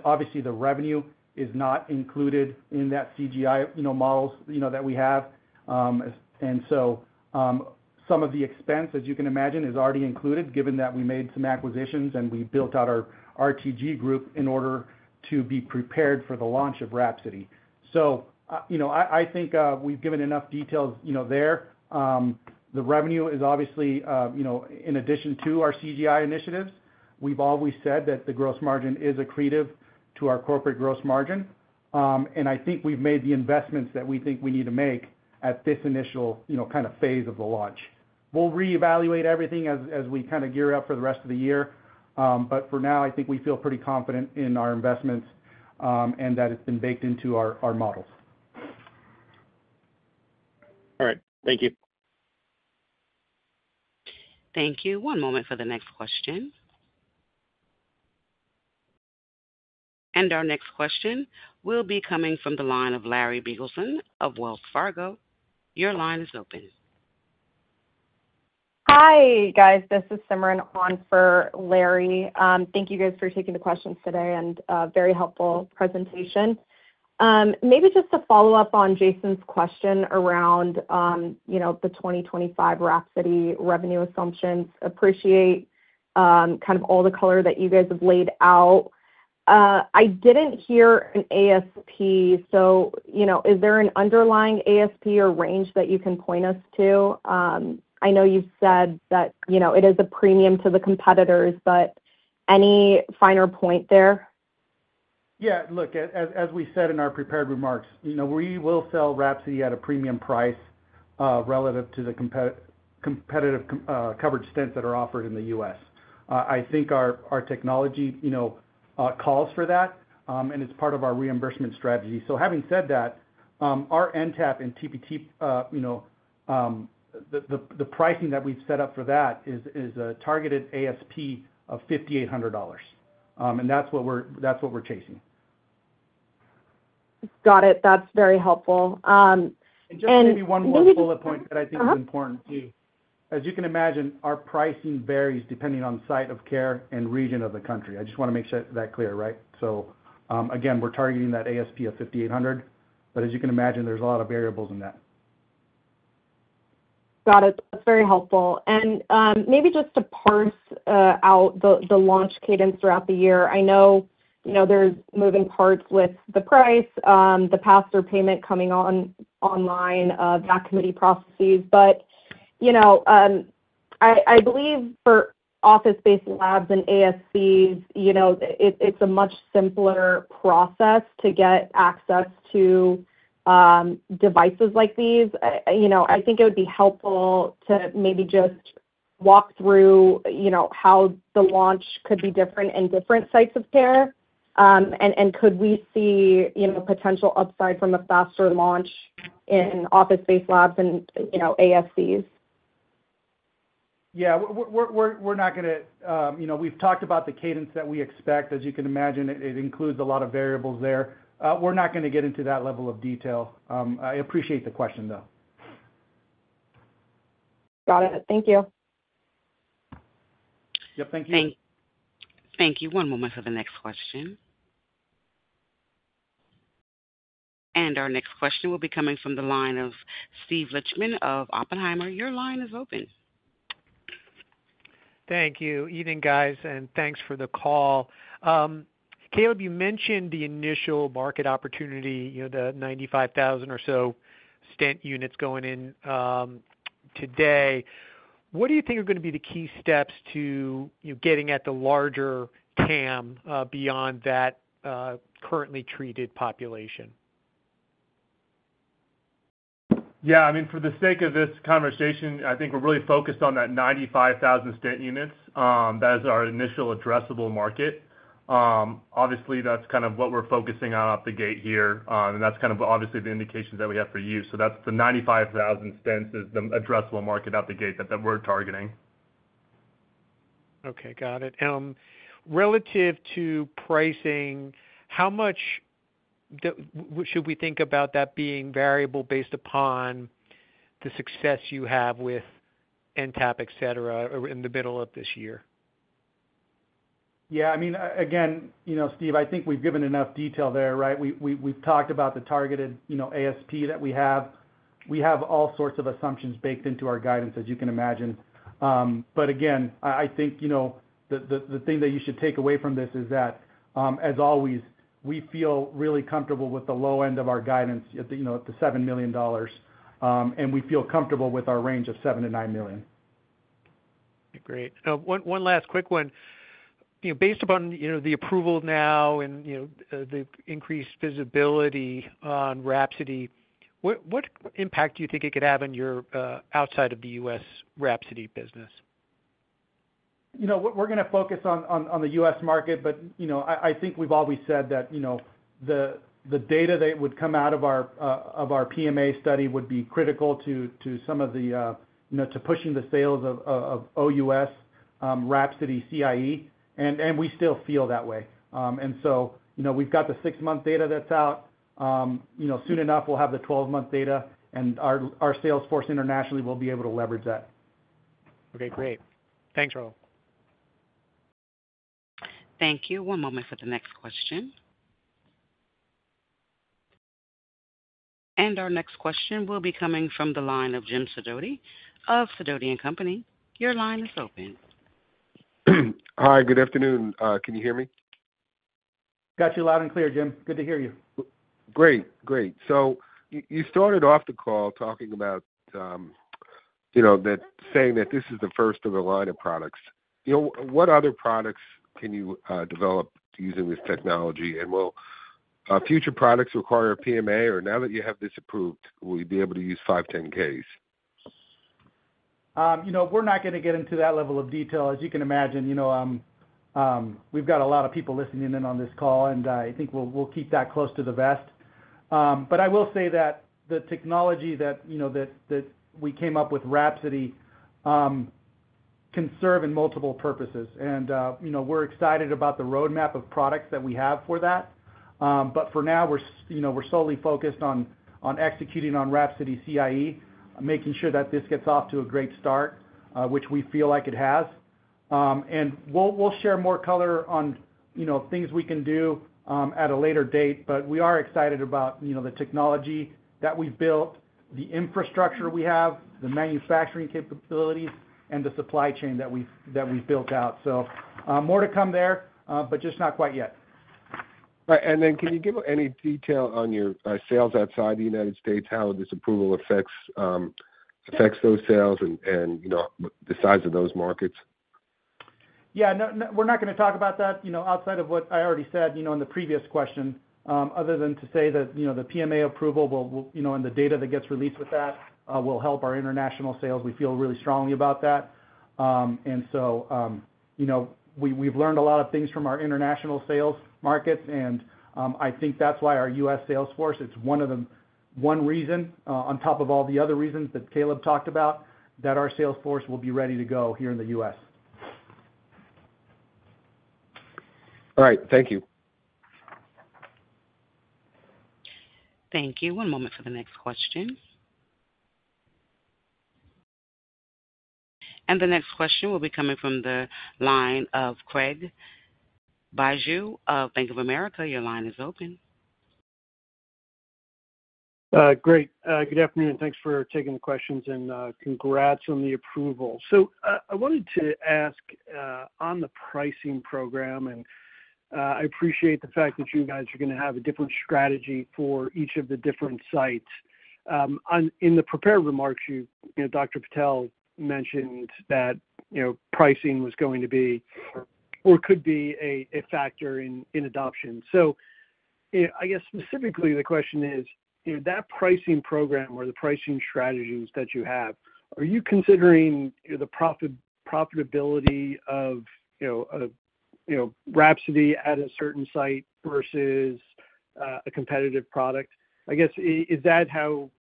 obviously, the revenue is not included in that CGI models that we have. And so some of the expense, as you can imagine, is already included, given that we made some acquisitions and we built out our RTG group in order to be prepared for the launch of Rhapsody. So I think we've given enough details there. The revenue is obviously, in addition to our CGI initiatives, we've always said that the gross margin is accretive to our corporate gross margin. And I think we've made the investments that we think we need to make at this initial kind of phase of the launch. We'll reevaluate everything as we kind of gear up for the rest of the year. But for now, I think we feel pretty confident in our investments and that it's been baked into our models. All right. Thank you. Thank you. One moment for the next question. And our next question will be coming from the line of Larry Biegelsen of Wells Fargo. Your line is open. Hi, guys. This is Simran on for Larry. Thank you guys for taking the questions today and a very helpful presentation. Maybe just to follow up on Jason's question around the 2025 Rhapsody revenue assumptions, appreciate kind of all the color that you guys have laid out. I didn't hear an ASP. So is there an underlying ASP or range that you can point us to? I know you said that it is a premium to the competitors, but any finer point there? Yeah. Look, as we said in our prepared remarks, we will sell Rhapsody at a premium price relative to the competitive covered stents that are offered in the U.S. I think our technology calls for that, and it's part of our reimbursement strategy. So having said that, our NTAP and TPT, the pricing that we've set up for that is a targeted ASP of $5,800, and that's what we're chasing. Got it. That's very helpful. Just maybe one more bullet point that I think is important too. As you can imagine, our pricing varies depending on the site of care and region of the country. I just want to make that clear, right? So again, we're targeting that ASP of $5,800. But as you can imagine, there's a lot of variables in that. Got it. That's very helpful. And maybe just to parse out the launch cadence throughout the year, I know there's moving parts with the price, the pass-through payment coming online, and VAC committee processes. But I believe for office-based labs and ASCs, it's a much simpler process to get access to devices like these. I think it would be helpful to maybe just walk through how the launch could be different in different sites of care. And could we see potential upside from a faster launch in office-based labs and ASCs? Yeah. We're not going to. We've talked about the cadence that we expect. As you can imagine, it includes a lot of variables there. We're not going to get into that level of detail. I appreciate the question, though. Got it. Thank you. Yep. Thank you. Thank you. One moment for the next question. And our next question will be coming from the line of Steve Lichtman of Oppenheimer. Your line is open. Thank you. Evening, guys, and thanks for the call. Caleb, you mentioned the initial market opportunity, the 95,000 or so stent units going in today. What do you think are going to be the key steps to getting at the larger TAM beyond that currently treated population? Yeah. I mean, for the sake of this conversation, I think we're really focused on that 95,000 stent units. That is our initial addressable market. Obviously, that's kind of what we're focusing on out the gate here. And that's kind of obviously the indications that we have for you. So that's the 95,000 stents is the addressable market out the gate that we're targeting. Okay. Got it. Relative to pricing, how much should we think about that being variable based upon the success you have with NTAP, etc., in the middle of this year? Yeah. I mean, again, Steve, I think we've given enough detail there, right? We've talked about the targeted ASP that we have. We have all sorts of assumptions baked into our guidance, as you can imagine. But again, I think the thing that you should take away from this is that, as always, we feel really comfortable with the low end of our guidance at the $7 million. And we feel comfortable with our range of $7 million-$9 million. Great. One last quick one. Based upon the approval now and the increased visibility on Rhapsody, what impact do you think it could have on your outside of the U.S. Rhapsody business? We're going to focus on the U.S. market, but I think we've always said that the data that would come out of our PMA study would be critical to some of the pushing the sales of OUS WRAPSODY CIE, and we still feel that way, and so we've got the six-month data that's out. Soon enough, we'll have the 12-month data, and our sales force internationally will be able to leverage that. Okay. Great. Thanks, Raul. Thank you. One moment for the next question. And our next question will be coming from the line of Jim Sidoti of Sidoti & Company. Your line is open. Hi. Good afternoon. Can you hear me? Got you loud and clear, Jim. Good to hear you. Great. Great. So you started off the call talking about saying that this is the first of a line of products. What other products can you develop using this technology? And will future products require a PMA? Or now that you have this approved, will you be able to use 510(k)s? We're not going to get into that level of detail. As you can imagine, we've got a lot of people listening in on this call, and I think we'll keep that close to the vest. But I will say that the technology that we came up with Rhapsody can serve in multiple purposes. And we're excited about the roadmap of products that we have for that. But for now, we're solely focused on executing on Rhapsody CIE, making sure that this gets off to a great start, which we feel like it has. And we'll share more color on things we can do at a later date. But we are excited about the technology that we've built, the infrastructure we have, the manufacturing capabilities, and the supply chain that we've built out. So more to come there, but just not quite yet. Right. And then can you give any detail on your sales outside the United States, how this approval affects those sales and the size of those markets? Yeah. We're not going to talk about that outside of what I already said in the previous question, other than to say that the PMA approval and the data that gets released with that will help our international sales. We feel really strongly about that. And so we've learned a lot of things from our international sales markets. And I think that's why our U.S. sales force is one reason, on top of all the other reasons that Caleb talked about, that our sales force will be ready to go here in the U.S. All right. Thank you. Thank you. One moment for the next question, and the next question will be coming from the line of Craig Bijou of Bank of America. Your line is open. Great. Good afternoon. Thanks for taking the questions and congrats on the approval. So I wanted to ask on the pricing program, and I appreciate the fact that you guys are going to have a different strategy for each of the different sites. In the prepared remarks, Dr. Patel mentioned that pricing was going to be or could be a factor in adoption. So I guess specifically, the question is, that pricing program or the pricing strategies that you have, are you considering the profitability of Rhapsody at a certain site versus a competitive product? I guess, is that how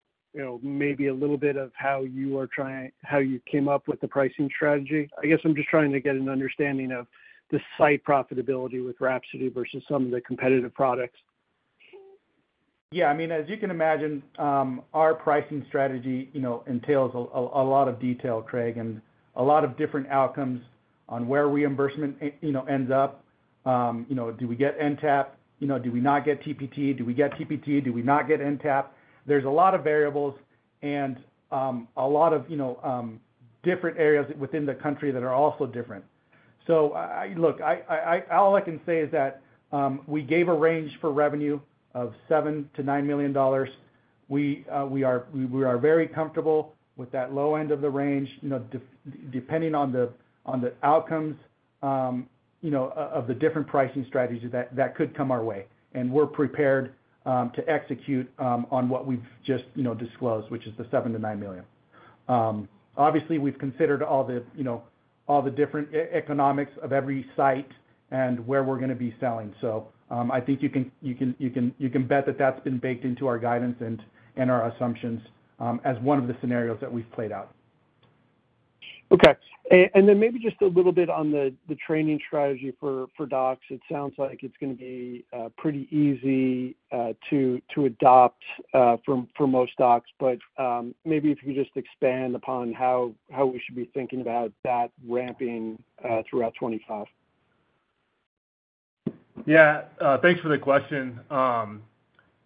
maybe a little bit of how you came up with the pricing strategy? I guess I'm just trying to get an understanding of the site profitability with Rhapsody versus some of the competitive products. Yeah. I mean, as you can imagine, our pricing strategy entails a lot of detail, Craig, and a lot of different outcomes on where reimbursement ends up. Do we get NTAP? Do we not get TPT? Do we get TPT? Do we not get NTAP? There's a lot of variables and a lot of different areas within the country that are also different. So look, all I can say is that we gave a range for revenue of $7 million-$9 million. We are very comfortable with that low end of the range, depending on the outcomes of the different pricing strategies that could come our way. And we're prepared to execute on what we've just disclosed, which is the $7 million-$9 million. Obviously, we've considered all the different economics of every site and where we're going to be selling. So I think you can bet that that's been baked into our guidance and our assumptions as one of the scenarios that we've played out. Okay. And then maybe just a little bit on the training strategy for docs. It sounds like it's going to be pretty easy to adopt for most docs. But maybe if you could just expand upon how we should be thinking about that ramping throughout 2025. Yeah. Thanks for the question.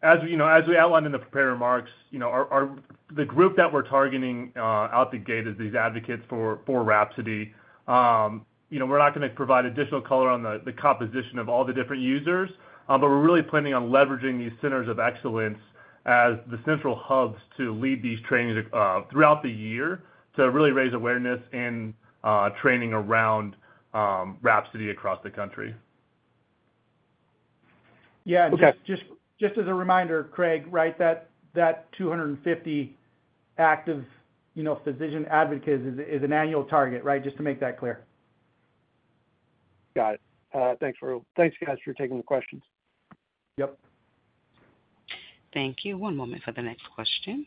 As we outlined in the prepared remarks, the group that we're targeting out the gate is these advocates for Rhapsody. We're not going to provide additional color on the composition of all the different users. But we're really planning on leveraging these centers of excellence as the central hubs to lead these trainings throughout the year to really raise awareness and training around Rhapsody across the country. Yeah. Just as a reminder, Craig, right, that 250 active physician advocates is an annual target, right? Just to make that clear. Got it. Thanks, guys, for taking the questions. Yep. Thank you. One moment for the next question.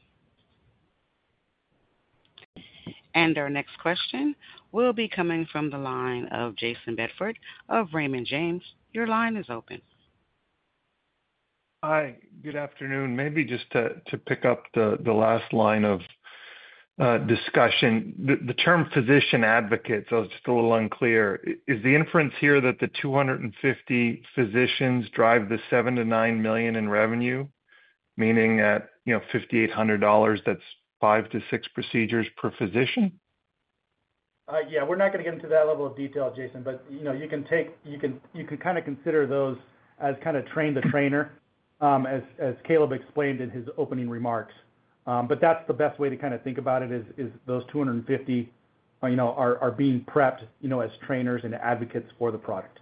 And our next question will be coming from the line of Jason Bedford of Raymond James. Your line is open. Hi. Good afternoon. Maybe just to pick up the last line of discussion. The term physician advocates, I was just a little unclear. Is the inference here that the 250 physicians drive the $7 million-$9 million in revenue, meaning at $5,800, that's five-six procedures per physician? Yeah. We're not going to get into that level of detail, Jason. But you can kind of consider those as kind of train the trainer, as Caleb explained in his opening remarks. But that's the best way to kind of think about it, is those 250 are being prepped as trainers and advocates for the product.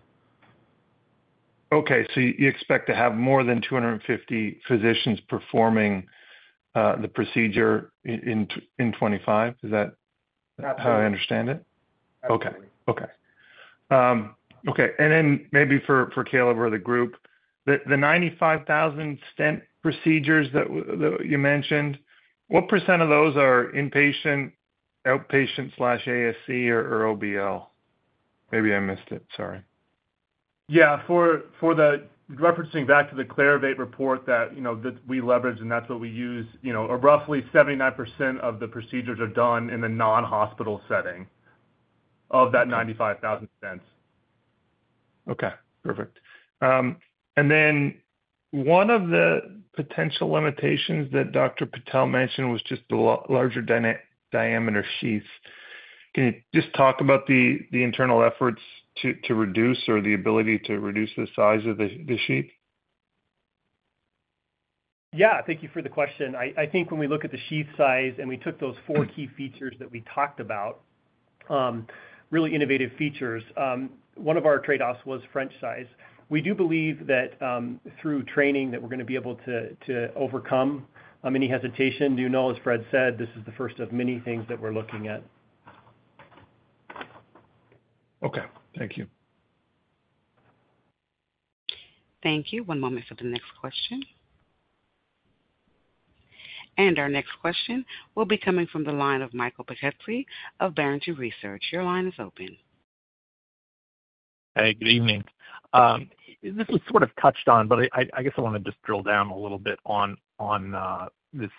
Okay. So you expect to have more than 250 physicians performing the procedure in 2025? Is that how I understand it? Absolutely. Okay. Then maybe for Caleb or the group, the 95,000 stent procedures that you mentioned, what % of those are inpatient, outpatient/ASC, or OBL? Maybe I missed it. Sorry. Yeah. Referencing back to the Clarivate report that we leveraged, and that's what we use, roughly 79% of the procedures are done in the non-hospital setting of that 95,000 stents. Okay. Perfect. And then one of the potential limitations that Dr. Patel mentioned was just the larger diameter sheaths. Can you just talk about the internal efforts to reduce or the ability to reduce the size of the sheath? Yeah. Thank you for the question. I think when we look at the sheath size and we took those four key features that we talked about, really innovative features, one of our trade-offs was French size. We do believe that through training that we're going to be able to overcome any hesitation. As Fred said, this is the first of many things that we're looking at. Okay. Thank you. Thank you. One moment for the next question. And our next question will be coming from the line of Michael Petusky of Barrington Research. Your line is open. Hey. Good evening. This was sort of touched on, but I guess I want to just drill down a little bit on this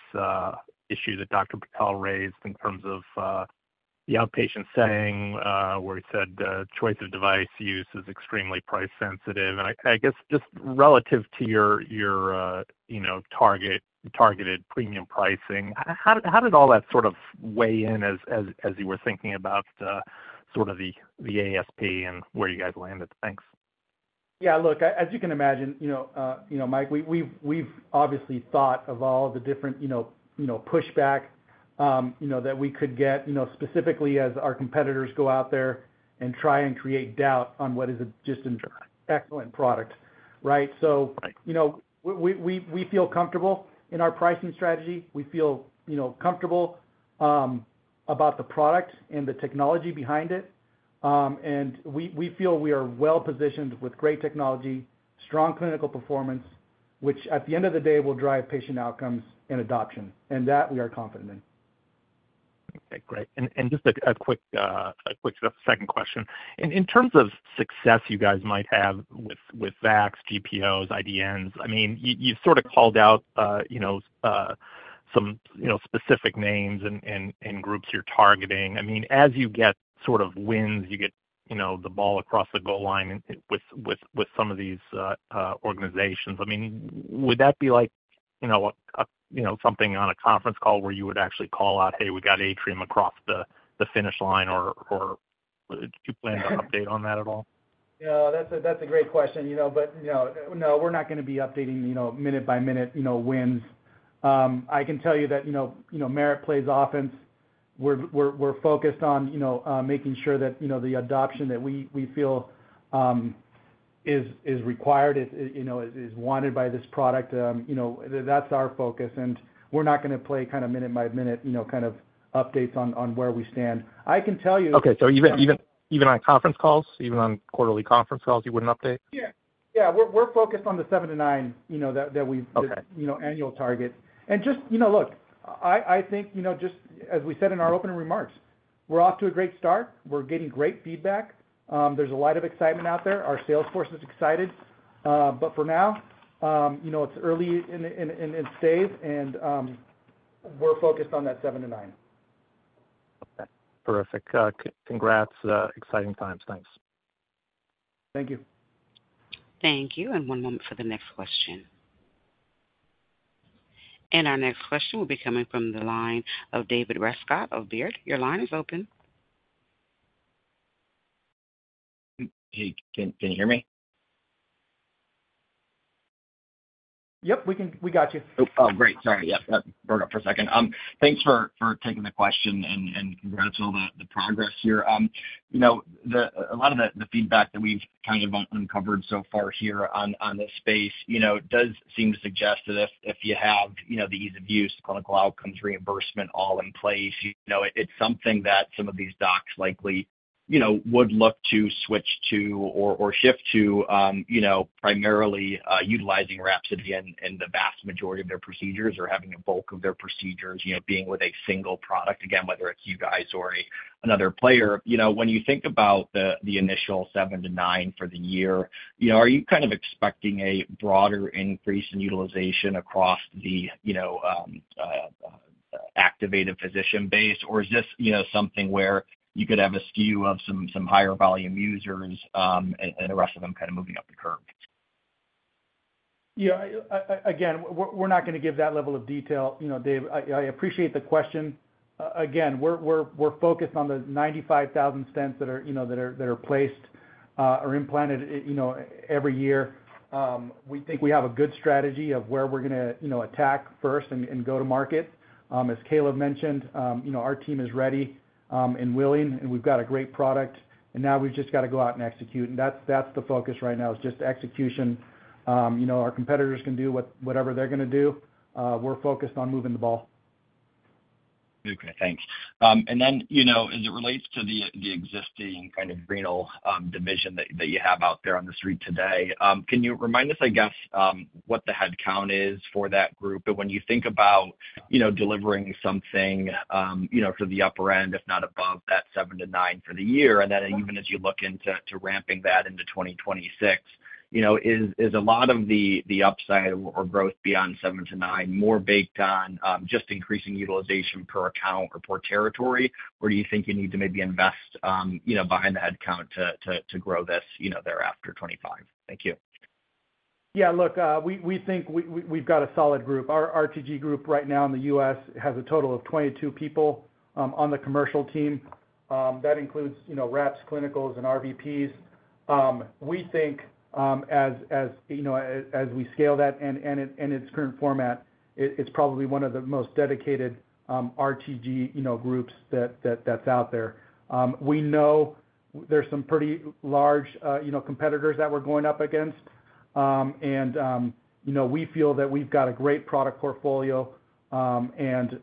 issue that Dr. Patel raised in terms of the outpatient setting where he said choice of device use is extremely price-sensitive. And I guess just relative to your targeted premium pricing, how did all that sort of weigh in as you were thinking about sort of the ASP and where you guys landed? Thanks. Yeah. Look, as you can imagine, Mike, we've obviously thought of all the different pushback that we could get specifically as our competitors go out there and try and create doubt on what is just an excellent product, right? So we feel comfortable in our pricing strategy. We feel comfortable about the product and the technology behind it. And we feel we are well-positioned with great technology, strong clinical performance, which at the end of the day will drive patient outcomes and adoption. And that we are confident in. Okay. Great. And just a quick second question. In terms of success you guys might have with VACs, GPOs, IDNs, I mean, you've sort of called out some specific names and groups you're targeting. I mean, as you get sort of wins, you get the ball across the goal line with some of these organizations. I mean, would that be like something on a conference call where you would actually call out, "Hey, we got Atrium across the finish line"? Or do you plan to update on that at all? Yeah. That's a great question. But no, we're not going to be updating minute-by-minute wins. I can tell you that Merit plays offense, we're focused on making sure that the adoption that we feel is required, is wanted by this product. That's our focus. And we're not going to play kind of minute-by-minute kind of updates on where we stand. I can tell you. Okay. So even on conference calls, even on quarterly conference calls, you wouldn't update? Yeah. Yeah. We're focused on the seven to nine that's our annual target. And just look, I think just as we said in our opening remarks, we're off to a great start. We're getting great feedback. There's a lot of excitement out there. Our sales force is excited. But for now, it's early in its days, and we're focused on that seven to nine. Okay. Terrific. Congrats. Exciting times. Thanks. Thank you. Thank you. And one moment for the next question. And our next question will be coming from the line of David Rescott of Baird. Your line is open. Hey. Can you hear me? Yep. We got you. Oh, great. Sorry. Yep. That broke up for a second. Thanks for taking the question and congrats on the progress here. A lot of the feedback that we've kind of uncovered so far here on this space does seem to suggest that if you have the ease of use, clinical outcomes, reimbursement all in place, it's something that some of these docs likely would look to switch to or shift to primarily utilizing Rhapsody in the vast majority of their procedures or having a bulk of their procedures being with a single product, again, whether it's you guys or another player. When you think about the initial seven to nine for the year, are you kind of expecting a broader increase in utilization across the activated physician base? Or is this something where you could have a skew of some higher volume users and the rest of them kind of moving up the curve? Yeah. Again, we're not going to give that level of detail. Dave, I appreciate the question. Again, we're focused on the 95,000 stents that are placed or implanted every year. We think we have a good strategy of where we're going to attack first and go to market. As Caleb mentioned, our team is ready and willing, and we've got a great product. And now we've just got to go out and execute. And that's the focus right now, is just execution. Our competitors can do whatever they're going to do. We're focused on moving the ball. Okay. Thanks. And then as it relates to the existing kind of renal division that you have out there on the street today, can you remind us, I guess, what the headcount is for that group? And when you think about delivering something for the upper end, if not above that seven to nine for the year, and then even as you look into ramping that into 2026, is a lot of the upside or growth beyond seven to nine more based on just increasing utilization per account or per territory, or do you think you need to maybe invest behind the headcount to grow this thereafter 2025? Thank you. Yeah. Look, we think we've got a solid group. Our RTG group right now in the U.S. has a total of 22 people on the commercial team. That includes reps, clinicals, and RVPs. We think as we scale that and its current format, it's probably one of the most dedicated RTG groups that's out there. We know there's some pretty large competitors that we're going up against. And we feel that we've got a great product portfolio and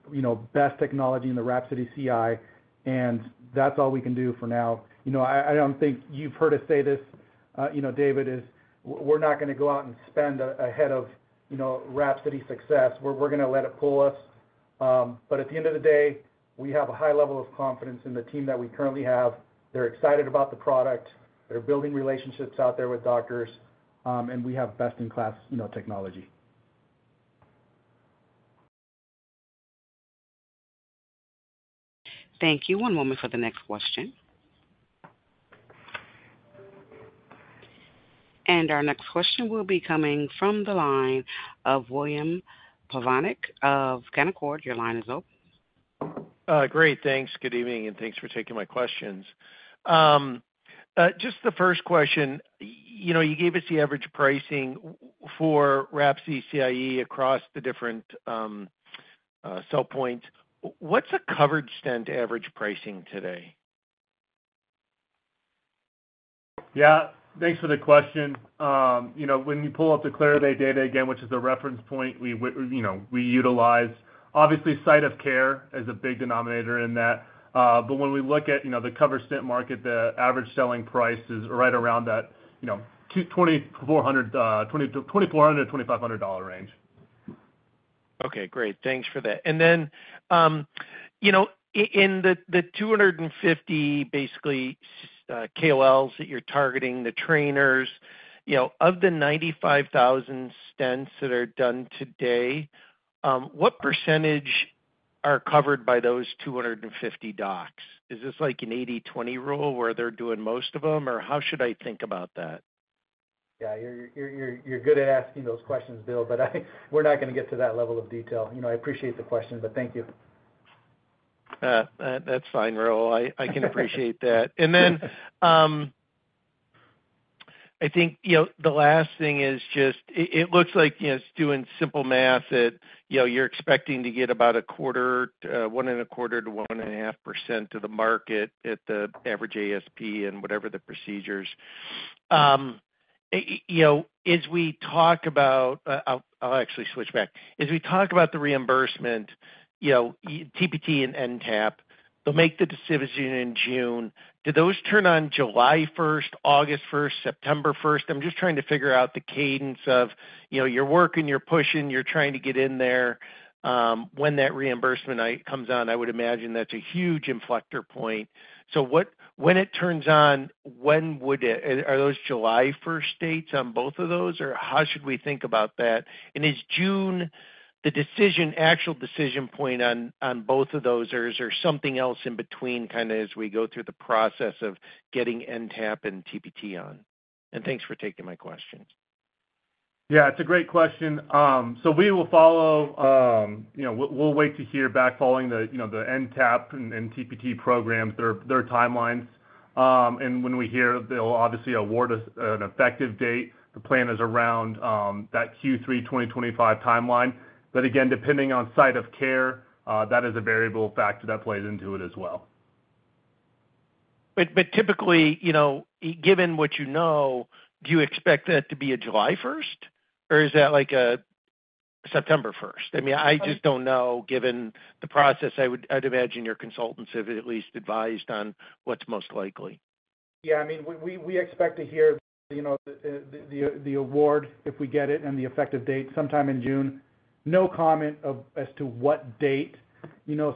best technology in the Rhapsody CIE. And that's all we can do for now. I don't think you've heard us say this, David, is we're not going to go out and spend ahead of Rhapsody's success. We're going to let it pull us. But at the end of the day, we have a high level of confidence in the team that we currently have. They're excited about the product. They're building relationships out there with doctors. And we have best-in-class technology. Thank you. One moment for the next question. And our next question will be coming from the line of William Plovanic of Canaccord. Your line is open. Great. Thanks. Good evening. And thanks for taking my questions. Just the first question, you gave us the average pricing for Rhapsody CIE across the different sell points. What's a covered stent average pricing today? Yeah. Thanks for the question. When you pull up the Clarivate data again, which is the reference point we utilize, obviously, site of care is a big denominator in that. But when we look at the cover stent market, the average selling price is right around that $2,400-$2,500 range. Okay. Great. Thanks for that. And then in the 250 basically KOLs that you're targeting, the trainers, of the 95,000 stents that are done today, what percentage are covered by those 250 docs? Is this like an 80/20 rule where they're doing most of them? Or how should I think about that? Yeah. You're good at asking those questions, Bill, but we're not going to get to that level of detail. I appreciate the question, but thank you. That's fine, Raul. I can appreciate that. And then I think the last thing is just it looks like it's doing simple math that you're expecting to get about 1.25%-1.5% to the market at the average ASP and whatever the procedures. As we talk about, I'll actually switch back. As we talk about the reimbursement, TPT and NTAP, they'll make the decision in June. Do those turn on July 1st, August 1st, September 1st? I'm just trying to figure out the cadence of your working, you're pushing, you're trying to get in there. When that reimbursement comes on, I would imagine that's a huge inflection point. So when it turns on, when would it—are those July 1st dates on both of those? Or how should we think about that? Is June the actual decision point on both of those, or is there something else in between kind of as we go through the process of getting NTAP and TPT on? Thanks for taking my question. Yeah. It's a great question. So we will follow, we'll wait to hear back following the NTAP and TPT programs, their timelines. And when we hear, they'll obviously award us an effective date. The plan is around that Q3 2025 timeline. But again, depending on site of care, that is a variable factor that plays into it as well. Typically, given what you know, do you expect that to be a July 1st? Or is that like a September 1st? I mean, I just don't know. Given the process, I'd imagine your consultants have at least advised on what's most likely. Yeah. I mean, we expect to hear the award if we get it and the effective date sometime in June. No comment as to what date,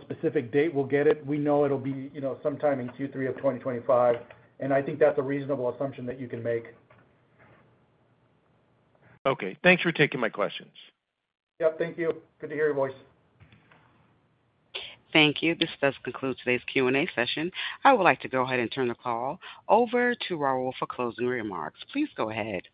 specific date we'll get it. We know it'll be sometime in Q3 of 2025, and I think that's a reasonable assumption that you can make. Okay. Thanks for taking my questions. Yep. Thank you. Good to hear your voice. Thank you. This does conclude today's Q&A session. I would like to go ahead and turn the call over to Raul for closing remarks. Please go ahead.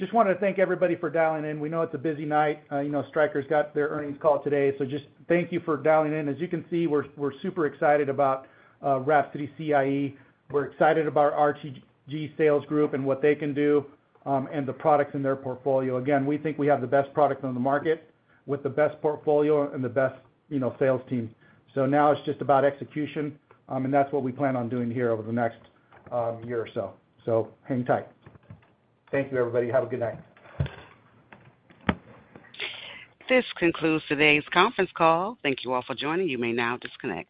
Just wanted to thank everybody for dialing in. We know it's a busy night. Stryker's got their earnings call today. So just thank you for dialing in. As you can see, we're super excited about Rhapsody CIE. We're excited about our RTG sales group and what they can do and the products in their portfolio. Again, we think we have the best product on the market with the best portfolio and the best sales team. So now it's just about execution. And that's what we plan on doing here over the next year or so. So hang tight. Thank you, everybody. Have a good night. This concludes today's conference call. Thank you all for joining. You may now disconnect.